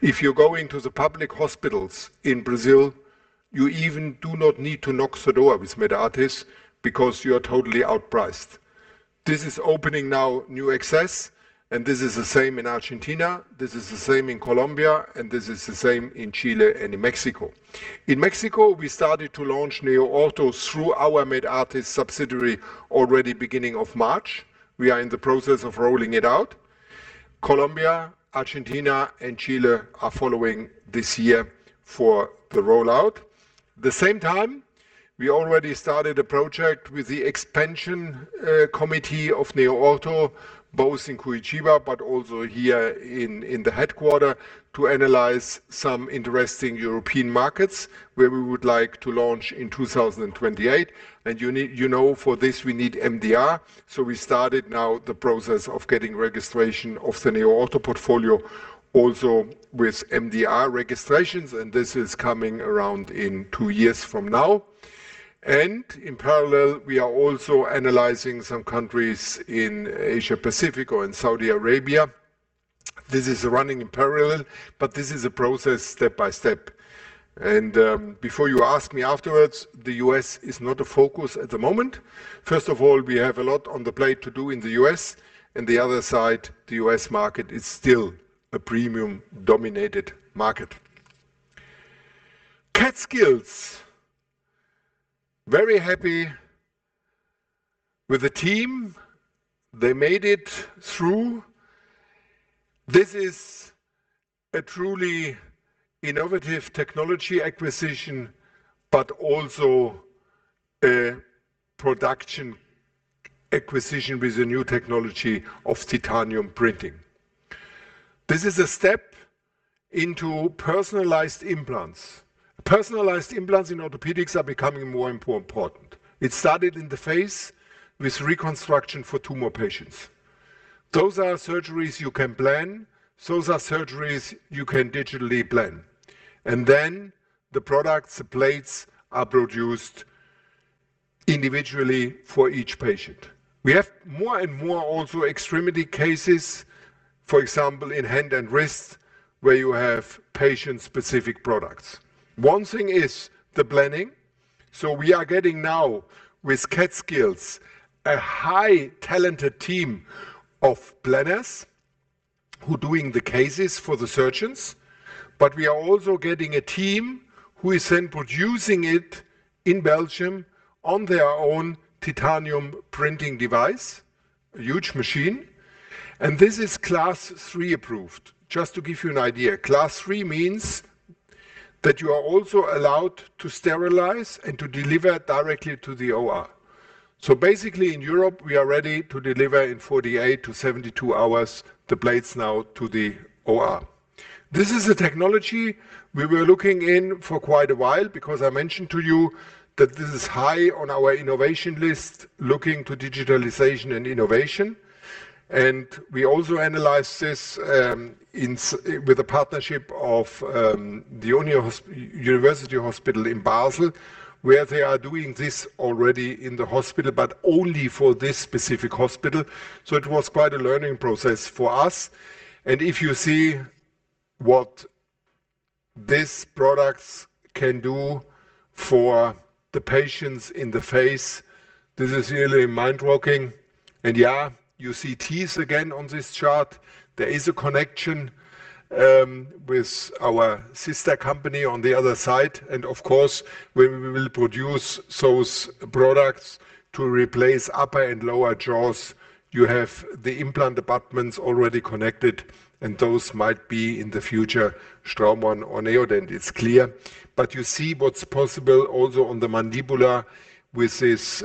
If you go into the public hospitals in Brazil, you even do not need to knock on the door with Medartis because you are totally outpriced. This is opening now new access, and this is the same in Argentina, this is the same in Colombia, and this is the same in Chile and in Mexico. In Mexico, we started to launch NeoOrtho through our Medartis subsidiary already beginning of March. We are in the process of rolling it out. Colombia, Argentina, and Chile are following this year for the rollout. The same time, we already started a project with the expansion committee of NeoOrtho, both in Curitiba but also here in the headquarters, to analyze some interesting European markets where we would like to launch in 2028. You know, for this we need MDR. We started now the process of getting registration of the NeoOrtho portfolio also with MDR registrations, and this is coming around in two years from now. In parallel, we are also analyzing some countries in Asia-Pacific or in Saudi Arabia. This is running in parallel, but this is a process step by step. Before you ask me afterwards, the U.S. is not a focus at the moment. First of all, we have a lot on the plate to do in the U.S., and the other side, the U.S. market is still a premium-dominated market. CADskills. Very happy with the team. They made it through. This is a truly innovative technology acquisition, but also a production acquisition with a new technology of titanium printing. This is a step into personalized implants. Personalized implants in orthopedics are becoming more and more important. It started in the face with reconstruction for tumor patients. Those are surgeries you can plan. Those are surgeries you can digitally plan. Then the products, the plates, are produced individually for each patient. We have more and more also extremity cases, for example, in hand and wrist, where you have patient-specific products. One thing is the planning. We are getting now with CADskills a highly talented team of planners who doing the cases for the surgeons, but we are also getting a team who is then producing it in Belgium on their own titanium printing device. A huge machine. This is Class III approved. Just to give you an idea, Class III means that you are also allowed to sterilize and to deliver directly to the OR. Basically, in Europe, we are ready to deliver in 48-72 hours the plates now to the OR. This is a technology we were looking in for quite a while because I mentioned to you that this is high on our innovation list, looking to digitalization and innovation. We also analyzed this with a partnership of the University Hospital of Basel, where they are doing this already in the hospital, but only for this specific hospital. It was quite a learning process for us. If you see what these products can do for the patients in the face, this is really mind-blowing. Yeah, you see teeth again on this chart. There is a connection with our sister company on the other side. Of course, when we will produce those products to replace upper and lower jaws, you have the implant departments already connected, and those might be in the future Straumann or Neodent, it's clear. You see what's possible also on the mandibular with these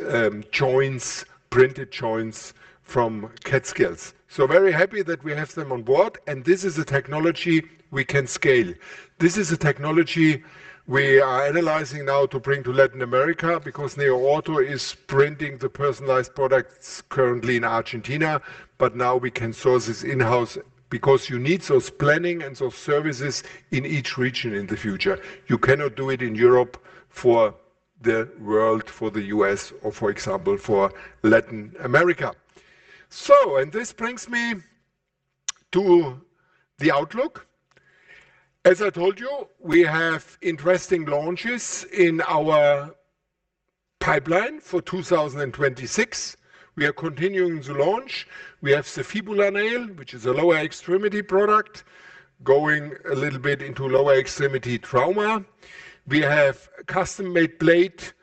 joints, printed joints from CADskills. Very happy that we have them on board, and this is a technology we can scale. This is a technology we are analyzing now to bring to Latin America because NeoOrtho is printing the personalized products currently in Argentina. Now we can source this in-house because you need those planning and those services in each region in the future. You cannot do it in Europe for the world, for the U.S., or for example, for Latin America. This brings me to the outlook. As I told you, we have interesting launches in our pipeline for 2026. We are continuing to launch. We have the fibula nail, which is a lower extremity product, going a little bit into lower extremity trauma. We have custom-made plate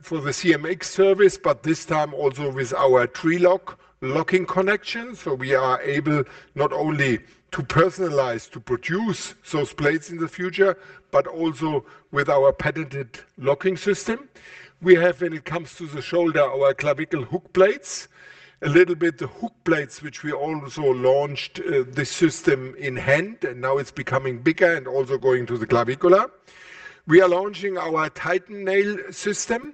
for the CMX service, but this time also with our TriLock locking connection. We are able not only to personalize, to produce those plates in the future, but also with our patented locking system. We have, when it comes to the shoulder, our clavicle hook plates. A little bit, the hook plates, which we also launched the system in hand, and now it's becoming bigger and also going to the clavicular. We are launching our Titan Nail system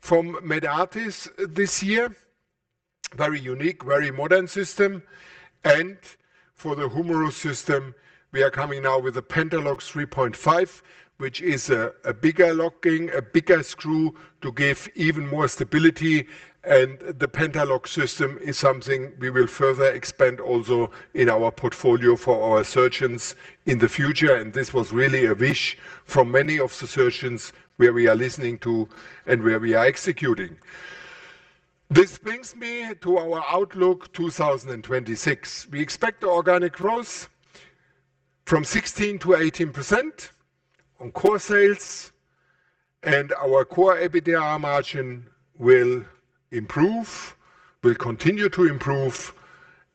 from Medartis this year. Very unique, very modern system. For the humeral system, we are coming now with a PentaLock 3.5, which is a bigger locking, a bigger screw to give even more stability. The PentaLock system is something we will further expand also in our portfolio for our surgeons in the future. This was really a wish for many of the surgeons where we are listening to and where we are executing. This brings me to our outlook 2026. We expect organic growth from 16%-18% on core sales, and our core EBITDA margin will improve, will continue to improve,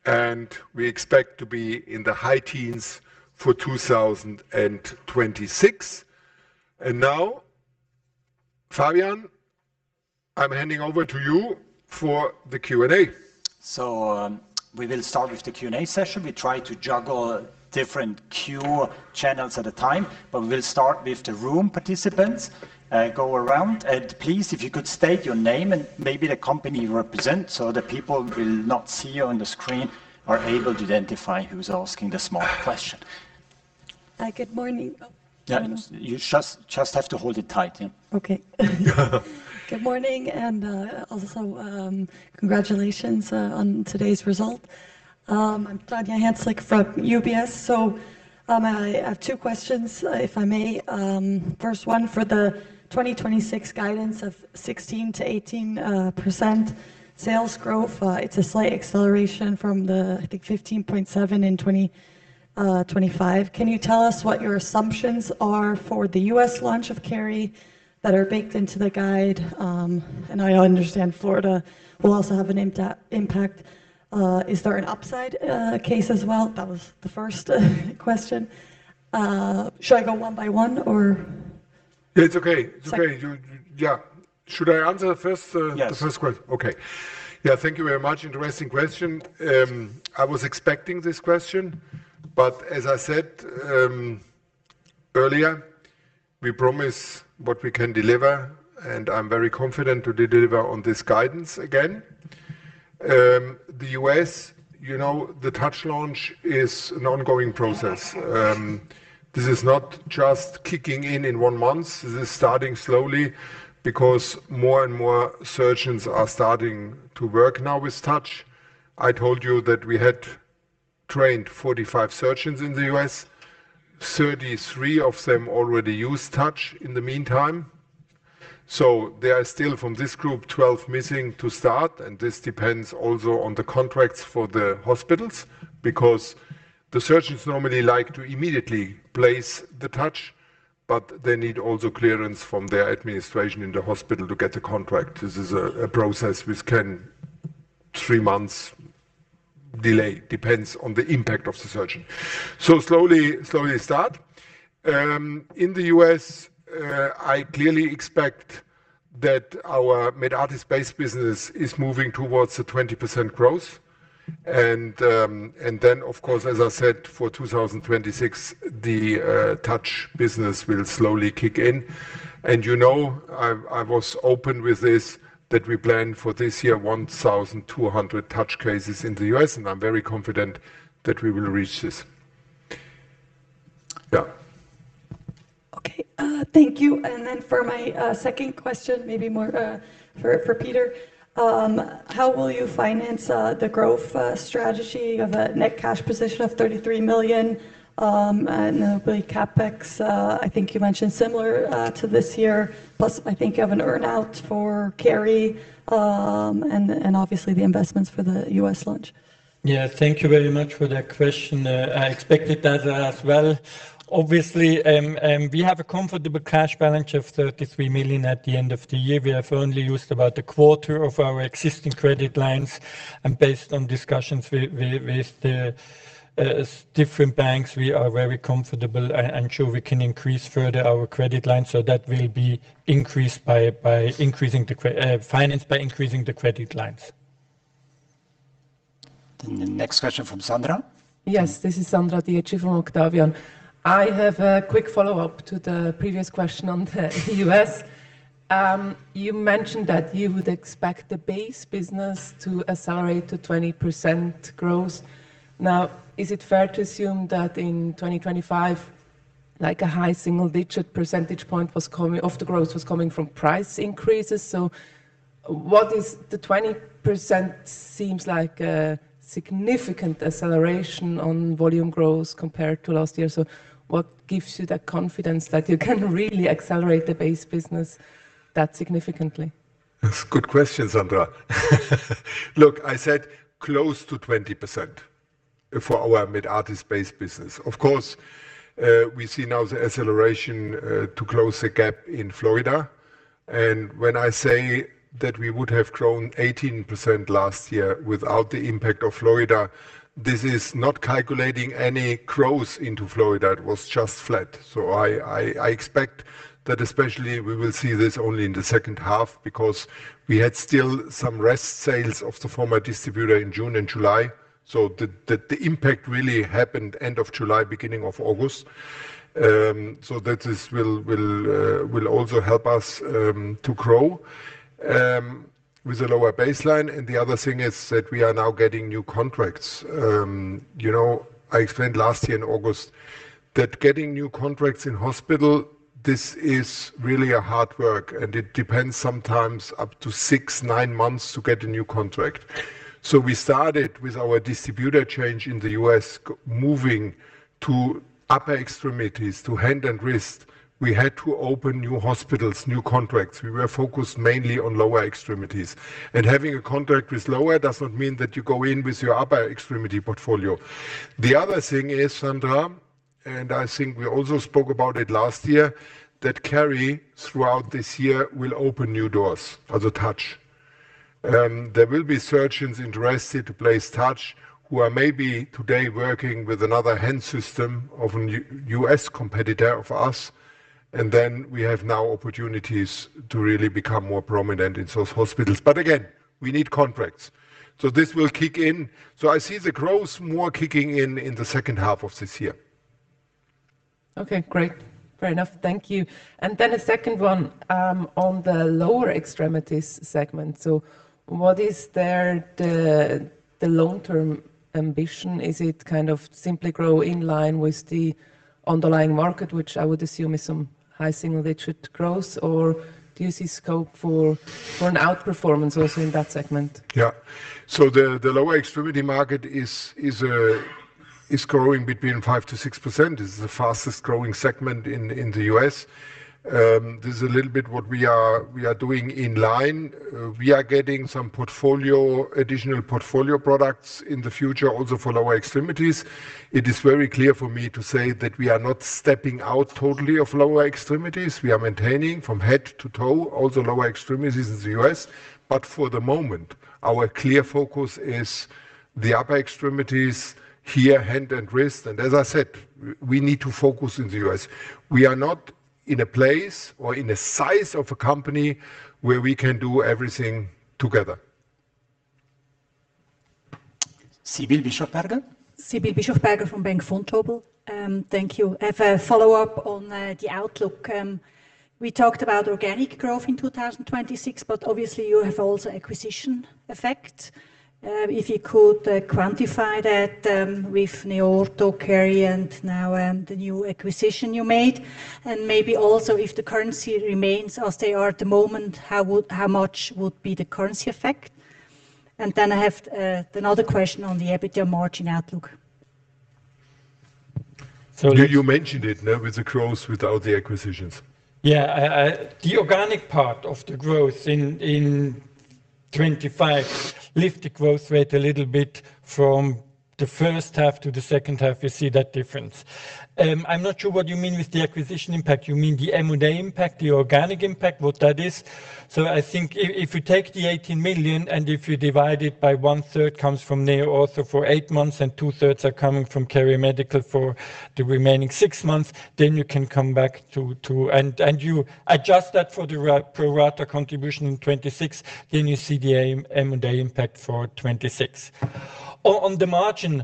and we expect to be in the high teens for 2026. Now, Fabian, I'm handing over to you for the Q&A. We will start with the Q&A session. We try to juggle different queue channels at a time, but we'll start with the room participants. Go around. Please, if you could state your name and maybe the company you represent, so the people who will not see you on the screen are able to identify who's asking the question. Hi, good morning. Yeah. You just have to hold it tight. Yeah. Okay. Good morning, and also congratulations on today's result. I'm Tanya Hansalik from UBS. I have two questions, if I may. First one, for the 2026 guidance of 16%-18% sales growth, it's a slight acceleration from the, I think 15.7% in 2025. Can you tell us what your assumptions are for the U.S. launch of Keri that are baked into the guide? And I understand FDA will also have an impact. Is there an upside case as well? That was the first question. Should I go one by one or- It's okay. Second- Yeah. Should I answer first? Yes the first question? Okay. Yeah. Thank you very much. Interesting question. I was expecting this question, but as I said, earlier, we promise what we can deliver, and I'm very confident to deliver on this guidance again. The U.S., you know, the TOUCH launch is an ongoing process. This is not just kicking in in 1 month. This is starting slowly because more and more surgeons are starting to work now with TOUCH. I told you that we had trained 45 surgeons in the U.S., 33 of them already use TOUCH in the meantime. There are still from this group 12 missing to start, and this depends also on the contracts for the hospitals because the surgeons normally like to immediately place the TOUCH. They need also clearance from their administration in the hospital to get the contract. This is a process which can three months delay. Depends on the input of the surgeon. Slowly start. In the U.S., I clearly expect that our Medartis-based business is moving towards a 20% growth. Then, of course, as I said, for 2026, the TOUCH business will slowly kick in. You know, I was open with this, that we plan for this year 1,200 TOUCH cases in the U.S., and I'm very confident that we will reach this. Okay. Thank you. Then for my second question, maybe more for Peter, how will you finance the growth strategy of a net cash position of 33 million, and the CapEx, I think you mentioned similar to this year, plus I think you have an earn-out for KeriMedical, and obviously the investments for the U.S. launch? Yeah. Thank you very much for that question. I expected that as well. Obviously, we have a comfortable cash balance of 33 million at the end of the year. We have only used about a quarter of our existing credit lines. Based on discussions with the different banks, we are very comfortable. I'm sure we can increase further our credit line, so that will be financed by increasing the credit lines. The next question from Sandra. Yes. This is Sandra Dietschy from Octavian. I have a quick follow-up to the previous question on the U.S. You mentioned that you would expect the base business to accelerate to 20% growth. Now, is it fair to assume that in 2025, like a high single-digit percentage point of the growth was coming from price increases? 20% seems like a significant acceleration on volume growth compared to last year. What gives you the confidence that you can really accelerate the base business that significantly? That's a good question, Sandra. Look, I said close to 20% for our Medartis base business. Of course, we see now the acceleration to close the gap in Florida. When I say that we would have grown 18% last year without the impact of Florida, this is not calculating any growth into Florida. It was just flat. I expect that especially we will see this only in the second half because we had still some rest sales of the former distributor in June and July. The impact really happened end of July, beginning of August. That this will also help us to grow with a lower baseline. The other thing is that we are now getting new contracts. You know, I explained last year in August that getting new contracts in hospital, this is really a hard work, and it depends sometimes up to six to nine months to get a new contract. We started with our distributor change in the U.S. moving to upper extremities, to hand and wrist. We had to open new hospitals, new contracts. We were focused mainly on lower extremities. Having a contract with lower does not mean that you go in with your upper extremity portfolio. The other thing is, Sandra, and I think we also spoke about it last year, that Keri throughout this year will open new doors as a TOUCH. There will be surgeons interested to place TOUCH who are maybe today working with another hand system of a new U.S. competitor of us, and then we have now opportunities to really become more prominent in those hospitals. Again, we need contracts. This will kick in. I see the growth more kicking in in the second half of this year. Okay. Great. Fair enough. Thank you. A second one on the lower extremities segment. What is there the long-term ambition? Is it kind of simply grow in line with the underlying market, which I would assume is some high single-digit growth? Or do you see scope for an outperformance also in that segment? Yeah. The lower extremity market is growing between 5%-6%. It's the fastest growing segment in the U.S. This is a little bit what we are doing in line. We are getting some additional portfolio products in the future also for lower extremities. It is very clear for me to say that we are not stepping out totally of lower extremities. We are maintaining from head to toe all the lower extremities in the U.S. For the moment, our clear focus is the upper extremities here, hand and wrist. As I said, we need to focus in the U.S. We are not in a place or in a size of a company where we can do everything together. Sibylle Bischofberger. Sibylle Bischofberger from Bank Vontobel. Thank you. I have a follow-up on the outlook. We talked about organic growth in 2026, but obviously you have also acquisition effect. If you could quantify that with NeoOrtho, KeriMedical and now the new acquisition you made. Maybe also if the currency remains as they are at the moment, how much would be the currency effect? Then I have another question on the EBITDA margin outlook. So- You mentioned it with the growth without the acquisitions. The organic part of the growth in 2025 lifts the growth rate a little bit from the first half to the second half. We see that difference. I'm not sure what you mean with the acquisition impact. You mean the M&A impact, the organic impact, what that is? I think if we take the 18 million, and if you divide it by one-third comes from NeoOrtho for eight months, and two-thirds are coming from KeriMedical for the remaining six months, then you can come back to. You adjust that for the pro rata contribution in 2026, then you see the M&A impact for 2026. On the margin,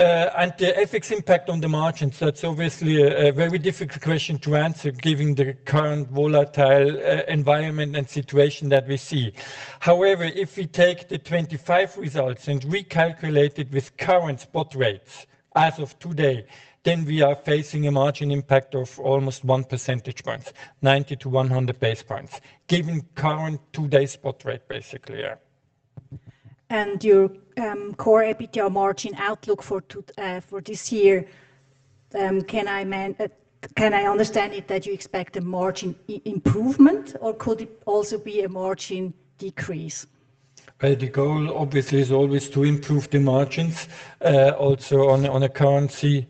and the FX impact on the margin, it's obviously a very difficult question to answer given the current volatile environment and situation that we see. However, if we take the 2025 results and recalculate it with current spot rates as of today, then we are facing a margin impact of almost 1 percentage point, 90-100 basis points, given current today spot rate basically, yeah. Your core EBITDA margin outlook for this year, can I understand it that you expect a margin improvement or could it also be a margin decrease? The goal obviously is always to improve the margins, also on a currency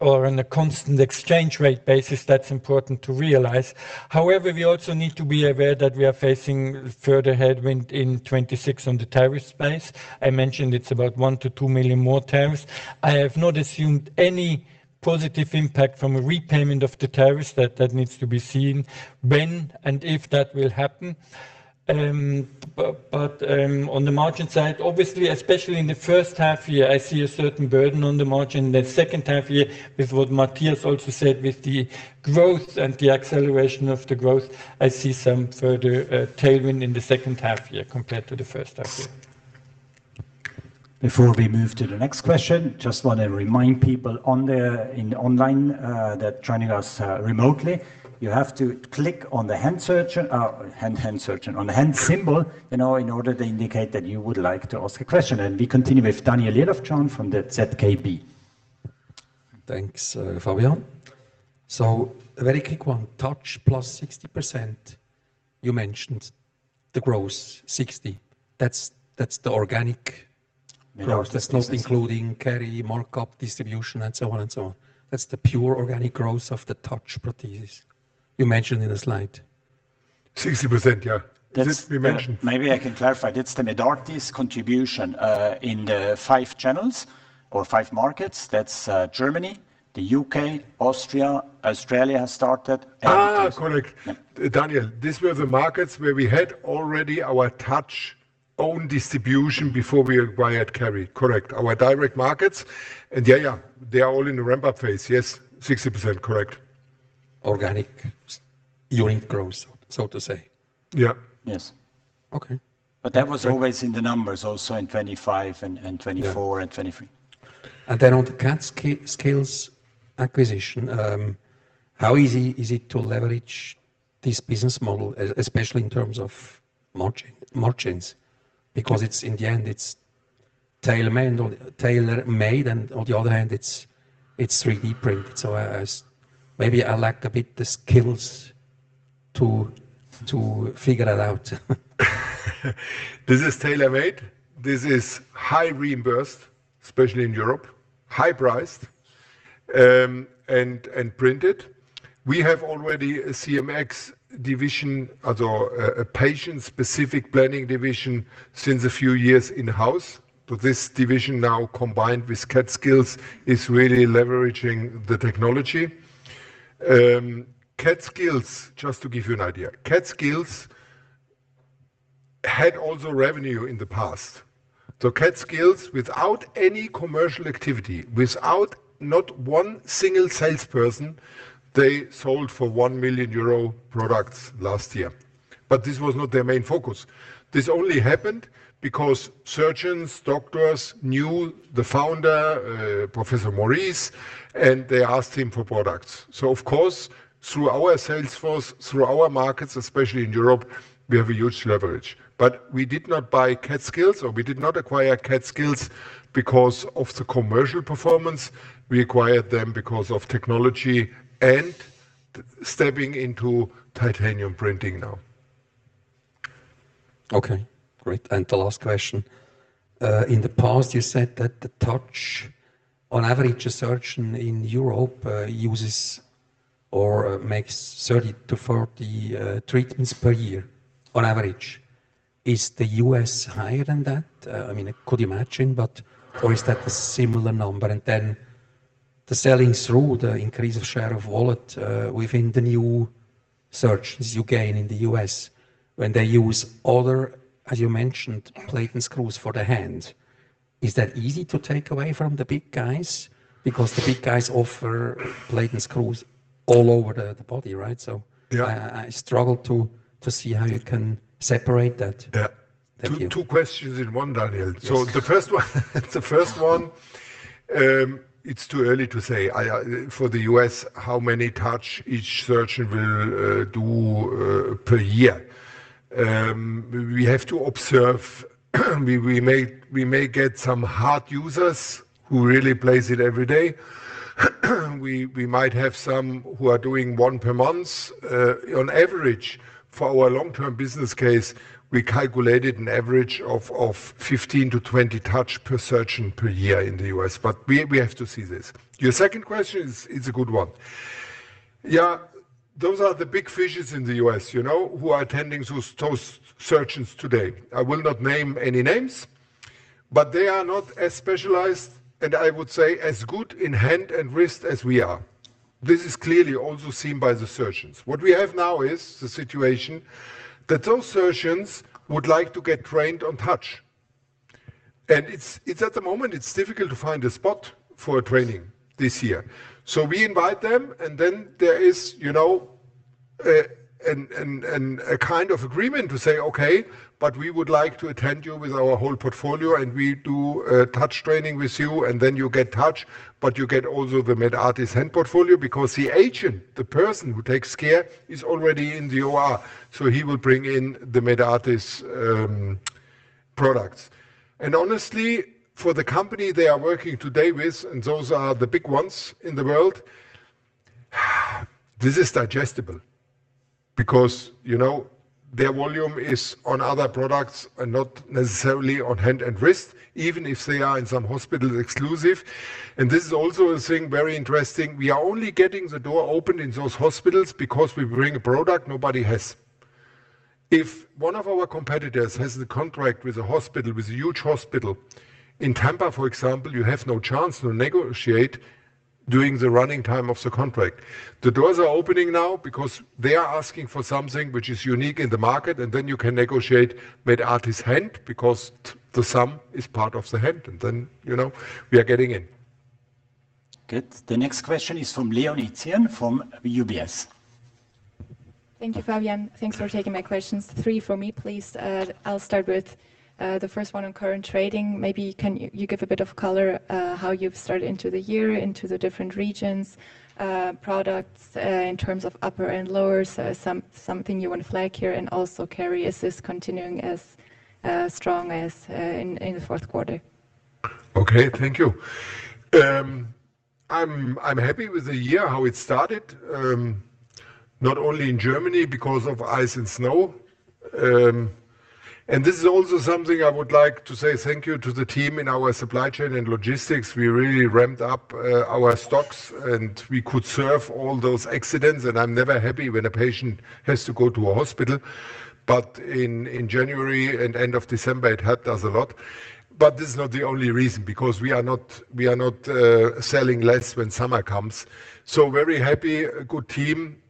or on a constant exchange rate basis. That's important to realize. However, we also need to be aware that we are facing further headwind in 2026 on the tariff space. I mentioned it's about 1 million-2 million more tariffs. I have not assumed any positive impact from a repayment of the tariffs that needs to be seen when and if that will happen. On the margin side, obviously, especially in the first half year, I see a certain burden on the margin. The second half year, with what Matthias also said, with the growth and the acceleration of the growth, I see some further tailwind in the second half year compared to the first half year. Before we move to the next question, just wanna remind people on the line online that joining us remotely you have to click on the hand raise. On the hand symbol in order to indicate that you would like to ask a question. We continue with Daniel Jelovcan from the ZKB. Thanks, Fabian. A very quick one. TOUCH +60%, you mentioned the growth 60%. That's the organic- Medartis. Growth. That's not including carry, markup, distribution, and so on and so on. That's the pure organic growth of the TOUCH Prosthesis you mentioned in the slide. 60%, yeah. That we mentioned. Maybe I can clarify. That's the Medartis contribution in the five channels or five markets. That's Germany, the U.K., Austria, Australia has started, and. Correct. Yeah. Daniel, these were the markets where we had already our TOUCH-owned distribution before we acquired KeriMedical. Correct. Our direct markets and yeah, they are all in the ramp-up phase. Yes, 60%. Correct. Organic unit growth, so to say. Yeah. Yes. Okay. That was always in the numbers also in 2025 and. Yeah. 2024 and 2023. On the CADskills acquisition, how easy is it to leverage this business model especially in terms of margins? Because in the end, it's tailor-made and on the other hand it's 3D printed. I maybe lack a bit the skills to figure that out. This is tailor-made. This is high reimbursed, especially in Europe, high-priced, and printed. We have already a CMF division, although a patient-specific planning division since a few years in-house. This division now combined with CADskills is really leveraging the technology. CADskills, just to give you an idea, CADskills had also revenue in the past. CADskills without any commercial activity, without not one single salesperson, they sold for 1 million euro products last year. This was not their main focus. This only happened because surgeons, doctors knew the founder, Maurice Mommaerts, and they asked him for products. Of course, through our sales force, through our markets, especially in Europe, we have a huge leverage. We did not buy CADskills or we did not acquire CADskills because of the commercial performance. We acquired them because of technology and stepping into titanium printing now. Okay. Great. The last question. In the past you said that the TOUCH on average a surgeon in Europe uses or makes 30-40 treatments per year on average. Is the U.S. higher than that? I mean, I could imagine, but or is that a similar number? Then the selling through the increase of share of wallet within the new surgeons you gain in the U.S. when they use other, as you mentioned, plate and screws for the hand. Is that easy to take away from the big guys? Because the big guys offer plate and screws all over the body, right? Yeah. I struggle to see how you can separate that. Yeah. Thank you. Two questions in one, Daniel. Yes. The first one, it's too early to say. For the U.S., how many TOUCH each surgeon will do per year. We have to observe. We may get some hard users who really plays it every day. We might have some who are doing one per month on average. For our long-term business case, we calculated an average of 15-20 TOUCH per surgeon per year in the U.S. We have to see this. Your second question is a good one. Yeah, those are the big fishes in the U.S., you know, who are attending those surgeons today. I will not name any names, but they are not as specialized, and I would say as good in hand and wrist as we are. This is clearly also seen by the surgeons. What we have now is the situation that those surgeons would like to get trained on TOUCH. It's at the moment difficult to find a spot for a training this year. We invite them, and then there is a kind of agreement to say, "Okay, but we would like to acquaint you with our whole portfolio, and we do TOUCH training with you, and then you get TOUCH, but you get also the Medartis hand portfolio," because the agent, the person who takes care, is already in the OR, so he will bring in the Medartis products. Honestly, for the company they are working today with, and those are the big ones in the world, this is digestible because, you know, their volume is on other products and not necessarily on hand and wrist, even if they are in some hospitals exclusive. This is also a thing very interesting. We are only getting the door open in those hospitals because we bring a product nobody has. If one of our competitors has the contract with a hospital, with a huge hospital, in Tampa, for example, you have no chance to negotiate during the running time of the contract. The doors are opening now because they are asking for something which is unique in the market, and then you can negotiate Medartis hand because the thumb is part of the hand and then, you know, we are getting in. Good. The next question is from Leonie Zirn from UBS. Thank you, Fabian. Thanks for taking my questions. Three for me, please. I'll start with the first one on current trading. Maybe can you give a bit of color how you've started into the year, into the different regions, products, in terms of upper and lower, something you want to flag here, and also Keri is this continuing as strong as in the fourth quarter? Okay. Thank you. I'm happy with the year, how it started, not only in Germany because of ice and snow. This is also something I would like to say thank you to the team in our supply chain and logistics. We really ramped up our stocks, and we could serve all those accidents, and I'm never happy when a patient has to go to a hospital. But in January and end of December, it helped us a lot. But this is not the only reason because we are not selling less when summer comes. Very happy, a good team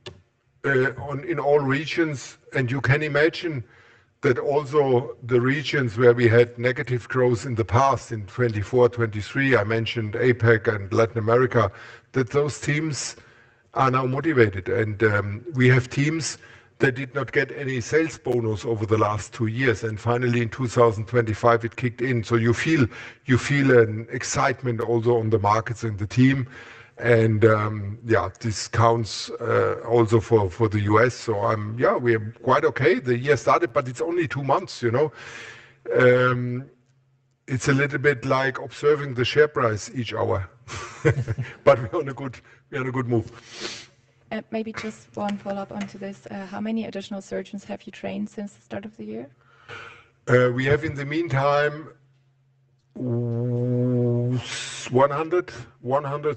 in all regions. You can imagine that also the regions where we had negative growth in the past, in 2024, 2023, I mentioned APAC and Latin America, that those teams are now motivated. We have teams that did not get any sales bonus over the last two years, and finally in 2025, it kicked in. You feel an excitement also on the markets and the team. Yeah, this counts also for the U.S. I'm, yeah, we're quite okay. The year started, but it's only two months, you know. It's a little bit like observing the share price each hour. We're on a good move. Maybe just one follow-up onto this. How many additional surgeons have you trained since the start of the year? We have in the meantime 100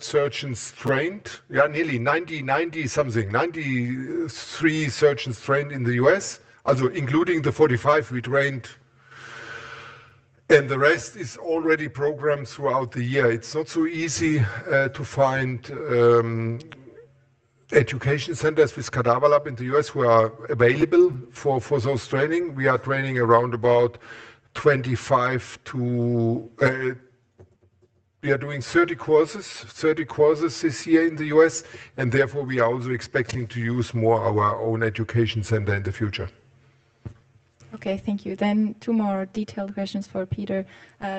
surgeons trained. Nearly 90-something. 93 surgeons trained in the U.S., although including the 45 we trained. The rest is already programmed throughout the year. It's not so easy to find education centers with cadaver lab in the U.S. who are available for those training. We are training around about 25 to 30 courses this year in the U.S., and therefore we are also expecting to use more our own education center in the future. Okay, thank you. Two more detailed questions for Peter,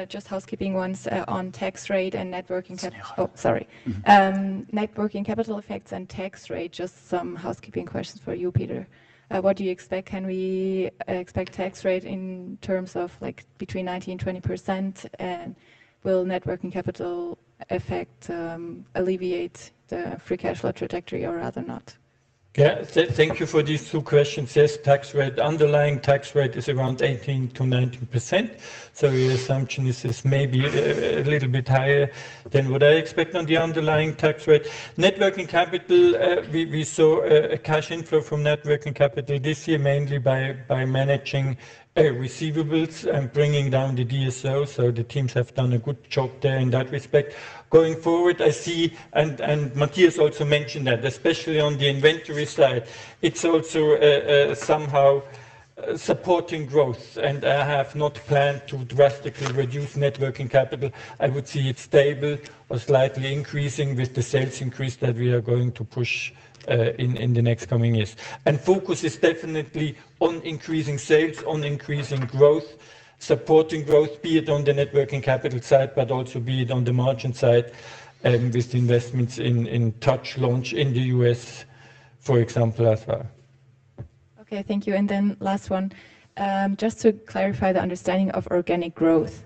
just housekeeping ones, on tax rate and net working cap- It's very hot. Oh, sorry. Mm-hmm. Net working capital effects and tax rate. Just some housekeeping questions for you, Peter. What do you expect? Can we expect tax rate in terms of like between 19% and 20%? Will net working capital effect alleviate the free cash flow trajectory or rather not? Yeah. Thank you for these two questions. Yes, tax rate, underlying tax rate is around 18%-19%. So your assumption is maybe a little bit higher than what I expect on the underlying tax rate. Net working capital, we saw a cash inflow from net working capital this year, mainly by managing receivables and bringing down the DSO. So, the teams have done a good job there in that respect. Going forward, I see and Matthias also mentioned that especially on the inventory side, it's also somehow supporting growth. I have not planned to drastically reduce net working capital. I would see it stable or slightly increasing with the sales increase that we are going to push in the next coming years. Focus is definitely on increasing sales, on increasing growth, supporting growth, be it on the net working capital side, but also be it on the margin side, with investments in TOUCH launch in the U.S., for example, as well. Okay, thank you. Then last one. Just to clarify the understanding of organic growth.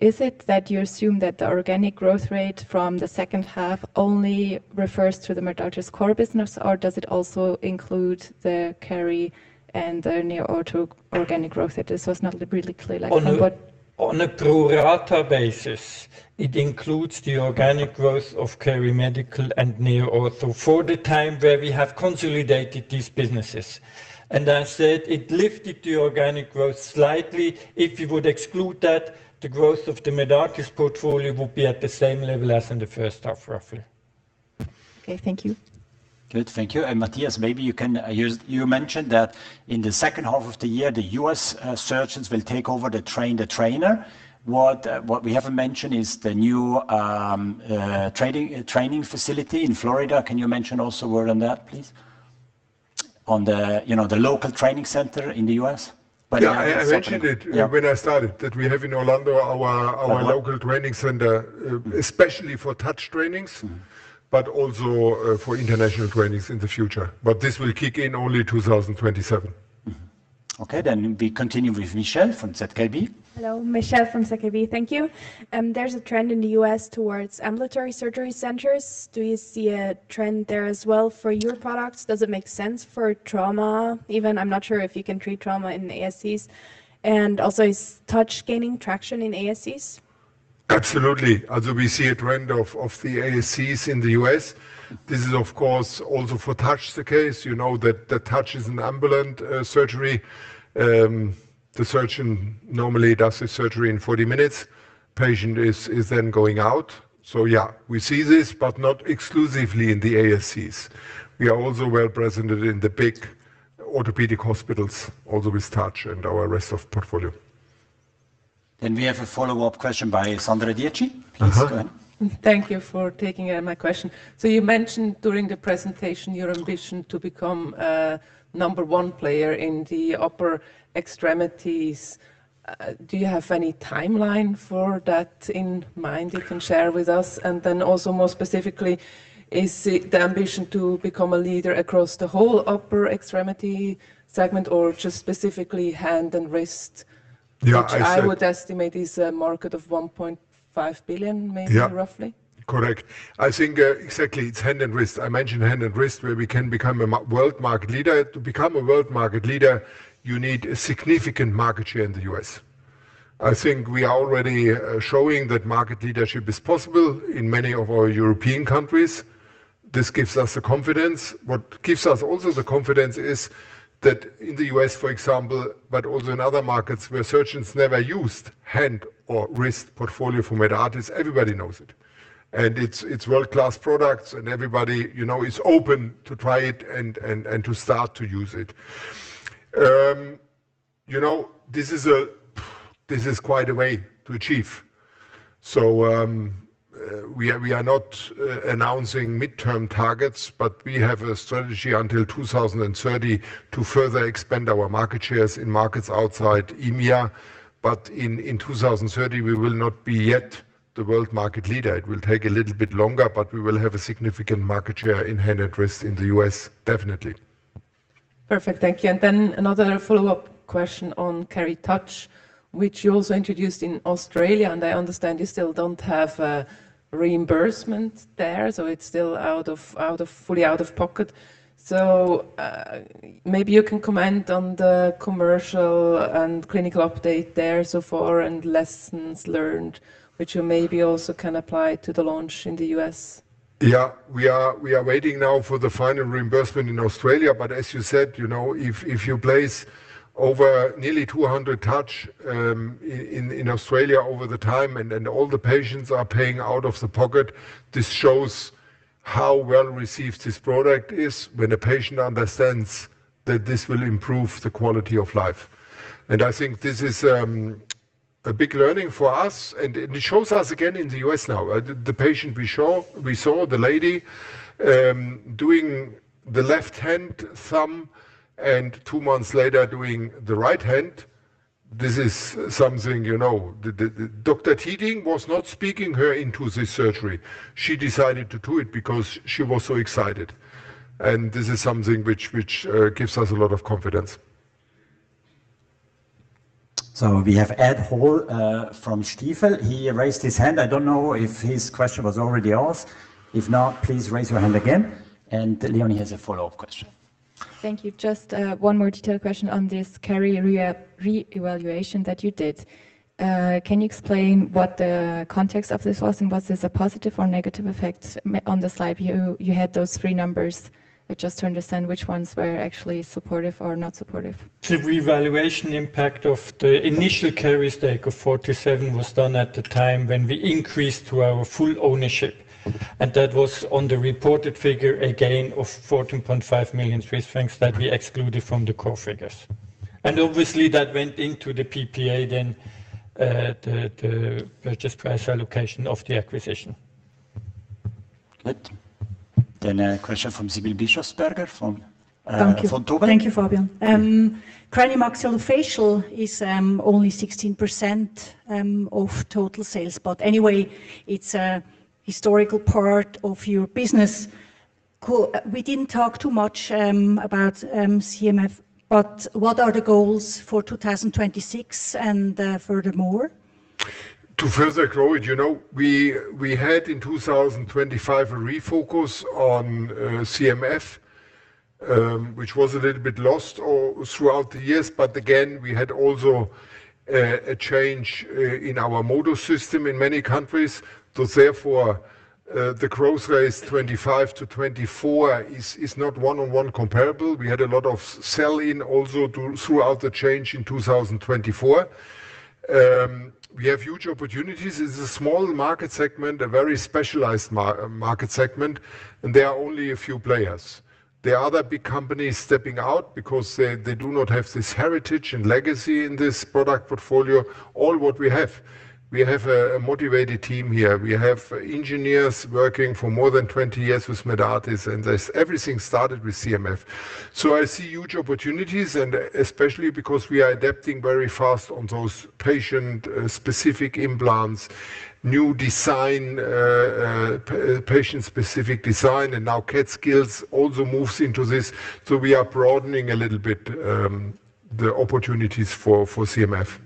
Is it that you assume that the organic growth rate from the second half only refers to the Medartis's core business, or does it also include the Keri and the NeoOrtho organic growth? It was not really clear like on what? On a pro rata basis, it includes the organic growth of KeriMedical and NeoOrtho for the time where we have consolidated these businesses. I said it lifted the organic growth slightly. If you would exclude that, the growth of Medartis's portfolio would be at the same level as in the first half, roughly. Okay. Thank you. Good. Thank you. Matthias, you mentioned that in the second half of the year, the U.S. surgeons will take over the training. What we haven't mentioned is the new training facility in Florida. Can you mention also a word on that, please? On the, you know, the local training center in the U.S.? Yeah, I mentioned it. Yeah When I started, that we have in Orlando our local training center, especially for TOUCH trainings. Mm-hmm Also, for international trainings in the future. This will kick in only 2027. Okay, we continue with Michelle from ZKB. Hello. Michelle from ZKB. Thank you. There's a trend in the U.S. towards ambulatory surgery centers. Do you see a trend there as well for your products? Does it make sense for trauma even? I'm not sure if you can treat trauma in ASCs. Also, is TOUCH gaining traction in ASCs? Absolutely. We also see a trend of the ASCs in the U.S. This is of course also for TOUCH the case. You know that the TOUCH is an ambulatory surgery. The surgeon normally does the surgery in 40 minutes. Patient is then going out. Yeah, we see this, but not exclusively in the ASCs. We are also well presented in the big orthopedic hospitals, also with TOUCH and the rest of our portfolio. We have a follow-up question by Sandra Dietschy. Please go ahead. Uh-huh. Thank you for taking my question. You mentioned during the presentation your ambition to become a number one player in the upper extremities. Do you have any timeline for that in mind you can share with us? Also more specifically, is it the ambition to become a leader across the whole upper extremity segment or just specifically hand and wrist? Yeah, I said. Which I would estimate is a market of 1.5 billion maybe. Yeah Roughly. Correct. I think, exactly, it's hand and wrist. I mentioned hand and wrist where we can become a world market leader. To become a world market leader, you need a significant market share in the U.S. I think we are already showing that market leadership is possible in many of our European countries. This gives us the confidence. What gives us also the confidence is that in the U.S., for example, but also in other markets where surgeons never used hand or wrist portfolio from Medartis, everybody knows it. And its world-class products and everybody, you know, is open to try it and to start to use it. You know, this is quite a way to achieve. We are not announcing midterm targets, but we have a strategy until 2030 to further expand our market shares in markets outside EMEA. In 2030, we will not be yet the world market leader. It will take a little bit longer, but we will have a significant market share in hand and wrist in the U.S., definitely. Perfect. Thank you. Another follow-up question on Keri TOUCH, which you also introduced in Australia, and I understand you still don't have reimbursement there, so it's still fully out of pocket. Maybe you can comment on the commercial and clinical update there so far and lessons learned, which you maybe also can apply to the launch in the U.S.? Yeah. We are waiting now for the final reimbursement in Australia, but as you said, you know, if you place over nearly 200 TOUCH in Australia over time, and then all the patients are paying out of pocket, this shows how well received this product is when a patient understands that this will improve the quality of life. I think this is a big learning for us, and it shows us again in the U.S. now. The patient we saw, the lady doing the left-hand thumb and two months later doing the right hand, this is something, you know. Dr. Tueting was not talking her into this surgery. She decided to do it because she was so excited. This is something which gives us a lot of confidence. We have Ed Hall from Stifel. He raised his hand. I don't know if his question was already asked. If not, please raise your hand again. Leonie has a follow-up question. Thank you. Just, one more detailed question on this Keri re-evaluation that you did. Can you explain what the context of this was, and was this a positive or negative effect? On the slide, you had those three numbers. Just to understand which ones were actually supportive or not supportive. The revaluation impact of the initial Keri stake of 47 was done at the time when we increased to our full ownership, and that was on the reported figure, a gain of 14.5 million Swiss francs that we excluded from the core figures. Obviously, that went into the PPA then, the purchase price allocation of the acquisition. Good. A question from Sibylle Bischofberger from. Thank you. From Vontobel. Thank you, Fabian. Cranio-maxillofacial is only 16% of total sales, but anyway, it's a historical part of your business. We didn't talk too much about CMF, but what are the goals for 2026 and furthermore? To further grow it, you know, we had in 2025 a refocus on CMF, which was a little bit lost all throughout the years. Again, we had also a change in our model system in many countries. Therefore, the growth rate 2025 to 2024 is not one-to-one comparable. We had a lot of sell-in also throughout the change in 2024. We have huge opportunities. It's a small market segment, a very specialized market segment, and there are only a few players. The other big companies stepping out because they do not have this heritage and legacy in this product portfolio, all what we have. We have a motivated team here. We have engineers working for more than 20 years with Medartis, and everything started with CMF. I see huge opportunities and especially because we are adapting very fast on those patient-specific implants, new design, patient-specific design, and now CADskills also moves into this. We are broadening a little bit the opportunities for CMF.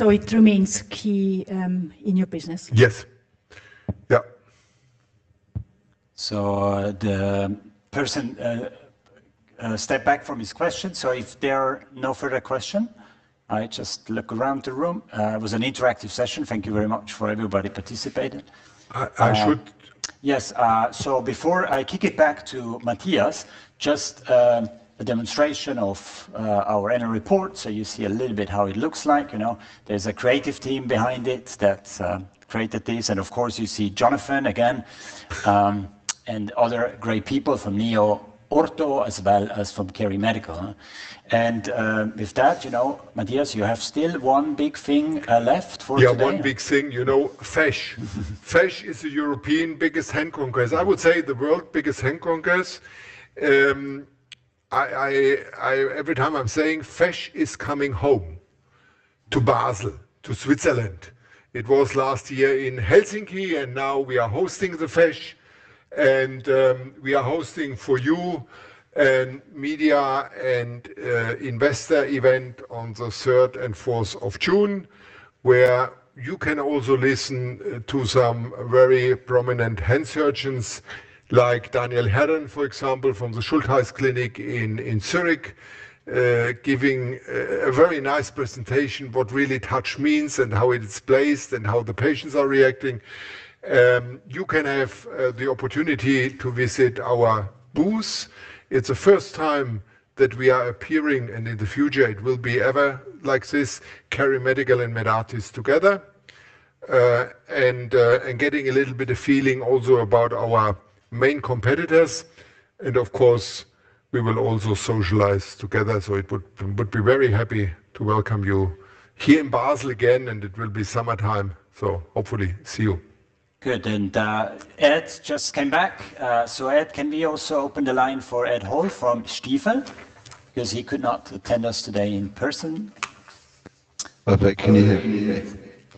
It remains key in your business? Yes. Yeah. The person stepped back from his question. If there are no further question, I just look around the room. It was an interactive session. Thank you very much for everybody participating. I should. Yes. Before I kick it back to Matthias, just a demonstration of our annual report, so you see a little bit how it looks like. You know, there's a creative team behind it that created this. Of course, you see Jonathan again, and other great people from NeoOrtho as well as from KeriMedical. With that, you know, Matthias, you have still one big thing left for today. Yeah, one big thing, you know, FESSH. FESSH is the European biggest hand congress. I would say the world biggest hand congress. Every time I'm saying FESSH is coming home to Basel, to Switzerland. It was last year in Helsinki, and now we are hosting the FESSH, and we are hosting for you a media and investor event on the third and fourth of June, where you can also listen to some very prominent hand surgeons like Daniel Herren, for example, from the Schulthess Klinik in Zürich, giving a very nice presentation what really TOUCH means and how it is placed and how the patients are reacting. You can have the opportunity to visit our booth. It's the first time that we are appearing, and in the future, it will be ever like this, KeriMedical and Medartis together. Getting a little bit of feeling also about our main competitors. Of course, we will also socialize together. I would be very happy to welcome you here in Basel again, and it will be summertime, so hopefully see you. Good. Ed just came back. Ed, can we also open the line for Ed Hall from Stifel? Because he could not attend us today in person. Perfect. Can you hear me?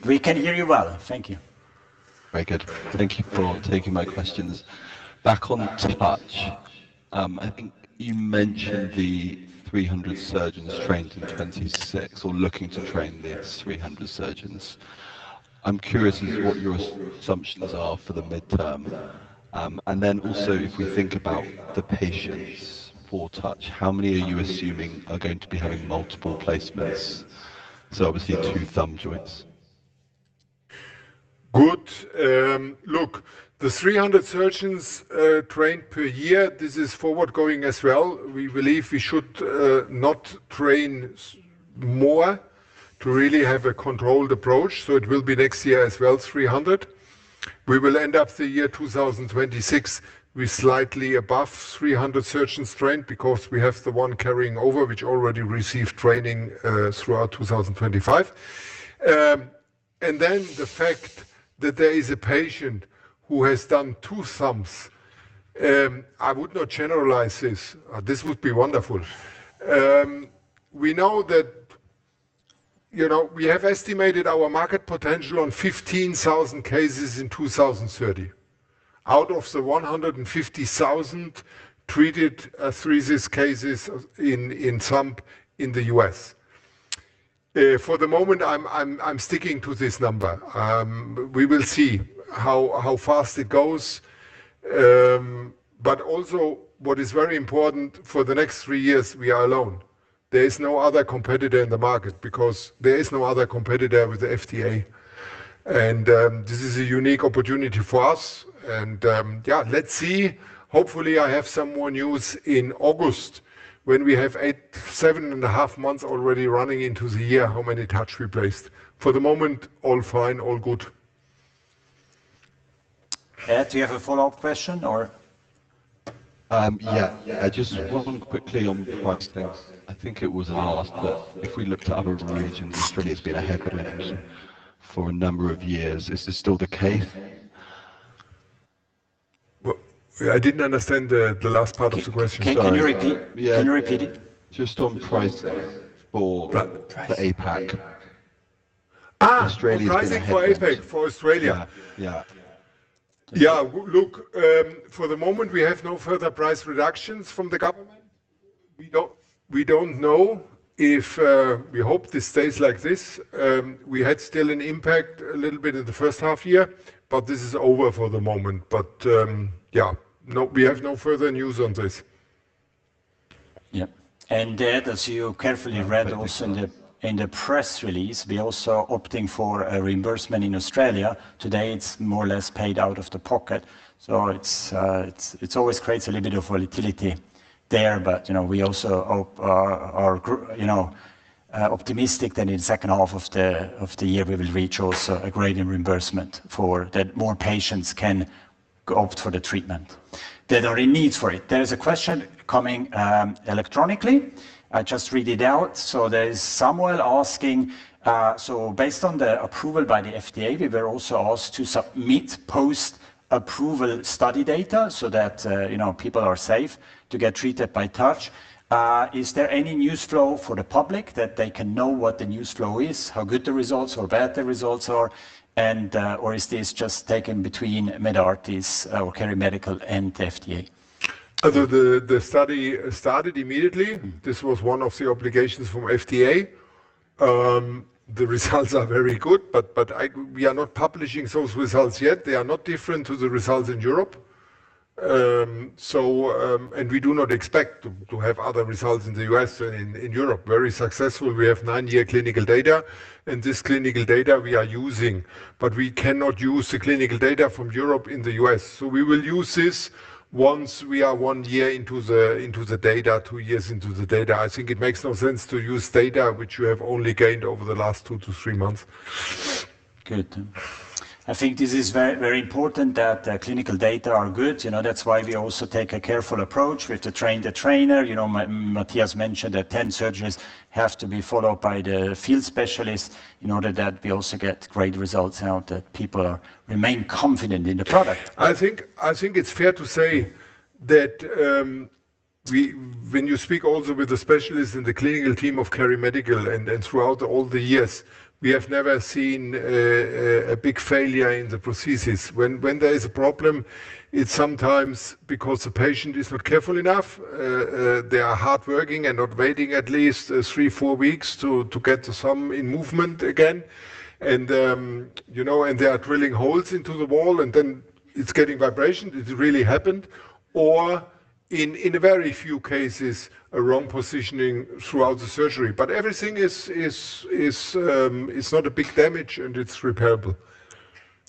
We can hear you well. Thank you. Very good. Thank you for taking my questions. Back on TOUCH, I think you mentioned the 300 surgeons trained in 26 or looking to train these 300 surgeons. I'm curious as what your assumptions are for the midterm. Also if we think about the patients for TOUCH, how many are you assuming are going to be having multiple placements? Obviously two thumb joints. Good. Look, the 300 surgeons trained per year, this is forward going as well. We believe we should not train more to really have a controlled approach. It will be next year as well, 300. We will end up the year 2026 with slightly above 300 surgeons trained because we have the one carrying over, which already received training throughout 2025. The fact that there is a patient who has done two thumbs, I would not generalize this. This would be wonderful. We know that. You know, we have estimated our market potential on 15,000 cases in 2030 out of the 150,000 treated trapeziectomy cases in thumb in the U.S. For the moment, I'm sticking to this number. We will see how fast it goes. But also, what is very important, for the next three years, we are alone. There is no other competitor in the market because there is no other competitor with the FDA. Let's see. Hopefully, I have some more news in August when we have 7.5 months already running into the year, how many TOUCH we placed. For the moment, all fine, all good. Ed, do you have a follow-up question or? Just one quickly on the TOUCH thing. I think it was the last, but if we look to other regions, Australia's been a headbanger. For a number of years. Is this still the case? Well, I didn't understand the last part of the question, sorry. Can you repeat? Yeah. Can you repeat it? Just on pricing. Right. Pricing. the APAC. Ah. Australia has been hit. On pricing for APAC, for Australia? Yeah. Yeah. Yeah. Look, for the moment, we have no further price reductions from the government. We don't know if we hope this stays like this. We had still an impact a little bit in the first half year, but this is over for the moment. Yeah. No, we have no further news on this. Yeah. That, as you carefully read also. Thank you so much. In the press release, we're also opting for a reimbursement in Australia. Today, it's more or less paid out of the pocket, so it always creates a little bit of volatility there, but you know, we're optimistic that in the second half of the year we will reach also a government reimbursement so that more patients can opt for the treatment that are in need for it. There is a question coming electronically. I just read it out. There is someone asking, so based on the approval by the FDA, we were also asked to submit post-approval study data so that you know people are safe to get treated by TOUCH. Is there any news flow for the public that they can know what the news flow is, how good the results or bad the results are, and or is this just taken between Medartis, or KeriMedical and the FDA? The study started immediately. Mm. This was one of the obligations from FDA. The results are very good, but we are not publishing those results yet. They are not different to the results in Europe. We do not expect to have other results in the U.S. than in Europe. Very successful. We have nine-year clinical data, and this clinical data we are using, but we cannot use the clinical data from Europe in the U.S. We will use this once we are one year into the data, two years into the data. I think it makes no sense to use data which we have only gained over the last two to three months. Good. I think this is very, very important that clinical data are good. You know, that's why we also take a careful approach. We have to train the trainer. You know, Matthias mentioned that 10 surgeons have to be followed by the field specialist in order that we also get great results and that people remain confident in the product. I think it's fair to say that when you speak also with the specialists in the clinical team of KeriMedical and throughout all the years, we have never seen a big failure in the prosthesis. When there is a problem, it's sometimes because the patient is not careful enough, they are hardworking and not waiting at least three, four weeks to get to some movement again and you know, and they are drilling holes into the wall, and then it's getting vibration. It really happened. Or in a very few cases, a wrong positioning throughout the surgery. But everything is not a big damage, and it's repairable.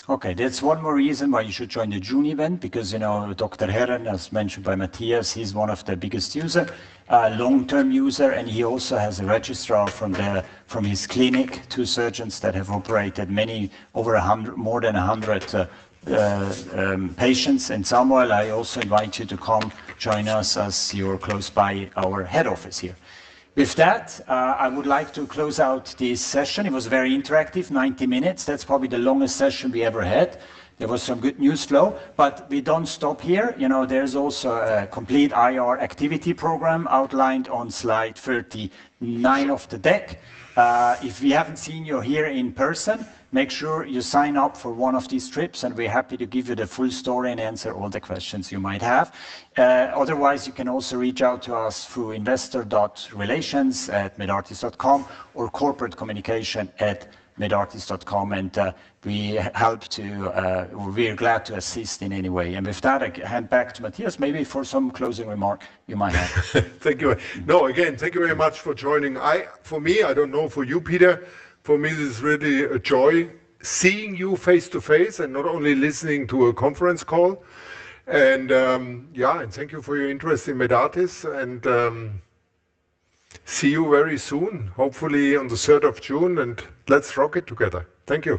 Okay. That's one more reason why you should join the June event because, you know, Dr. Herren, as mentioned by Matthias, he's one of the biggest user, long-term user, and he also has a registrar from his clinic, two surgeons that have operated many, more than 100 patients. Samuel, I also invite you to come join us as you're close by our head office here. With that, I would like to close out this session. It was very interactive, 90 minutes. That's probably the longest session we ever had. There was some good news flow, but we don't stop here. You know, there's also a complete IR activity program outlined on slide 39 of the deck. If we haven't seen you here in person, make sure you sign up for one of these trips, and we're happy to give you the full story and answer all the questions you might have. Otherwise, you can also reach out to us through investor.relations@medartis.com or corporate.communication@medartis.com, and we're glad to assist in any way. With that, I hand back to Matthias, maybe for some closing remark you might have. Thank you. No, again, thank you very much for joining. For me, I don't know for you, Peter, for me, this is really a joy seeing you face to face and not only listening to a conference call. Yeah, thank you for your interest in Medartis, and see you very soon, hopefully on the third of June, and let's rock it together. Thank you.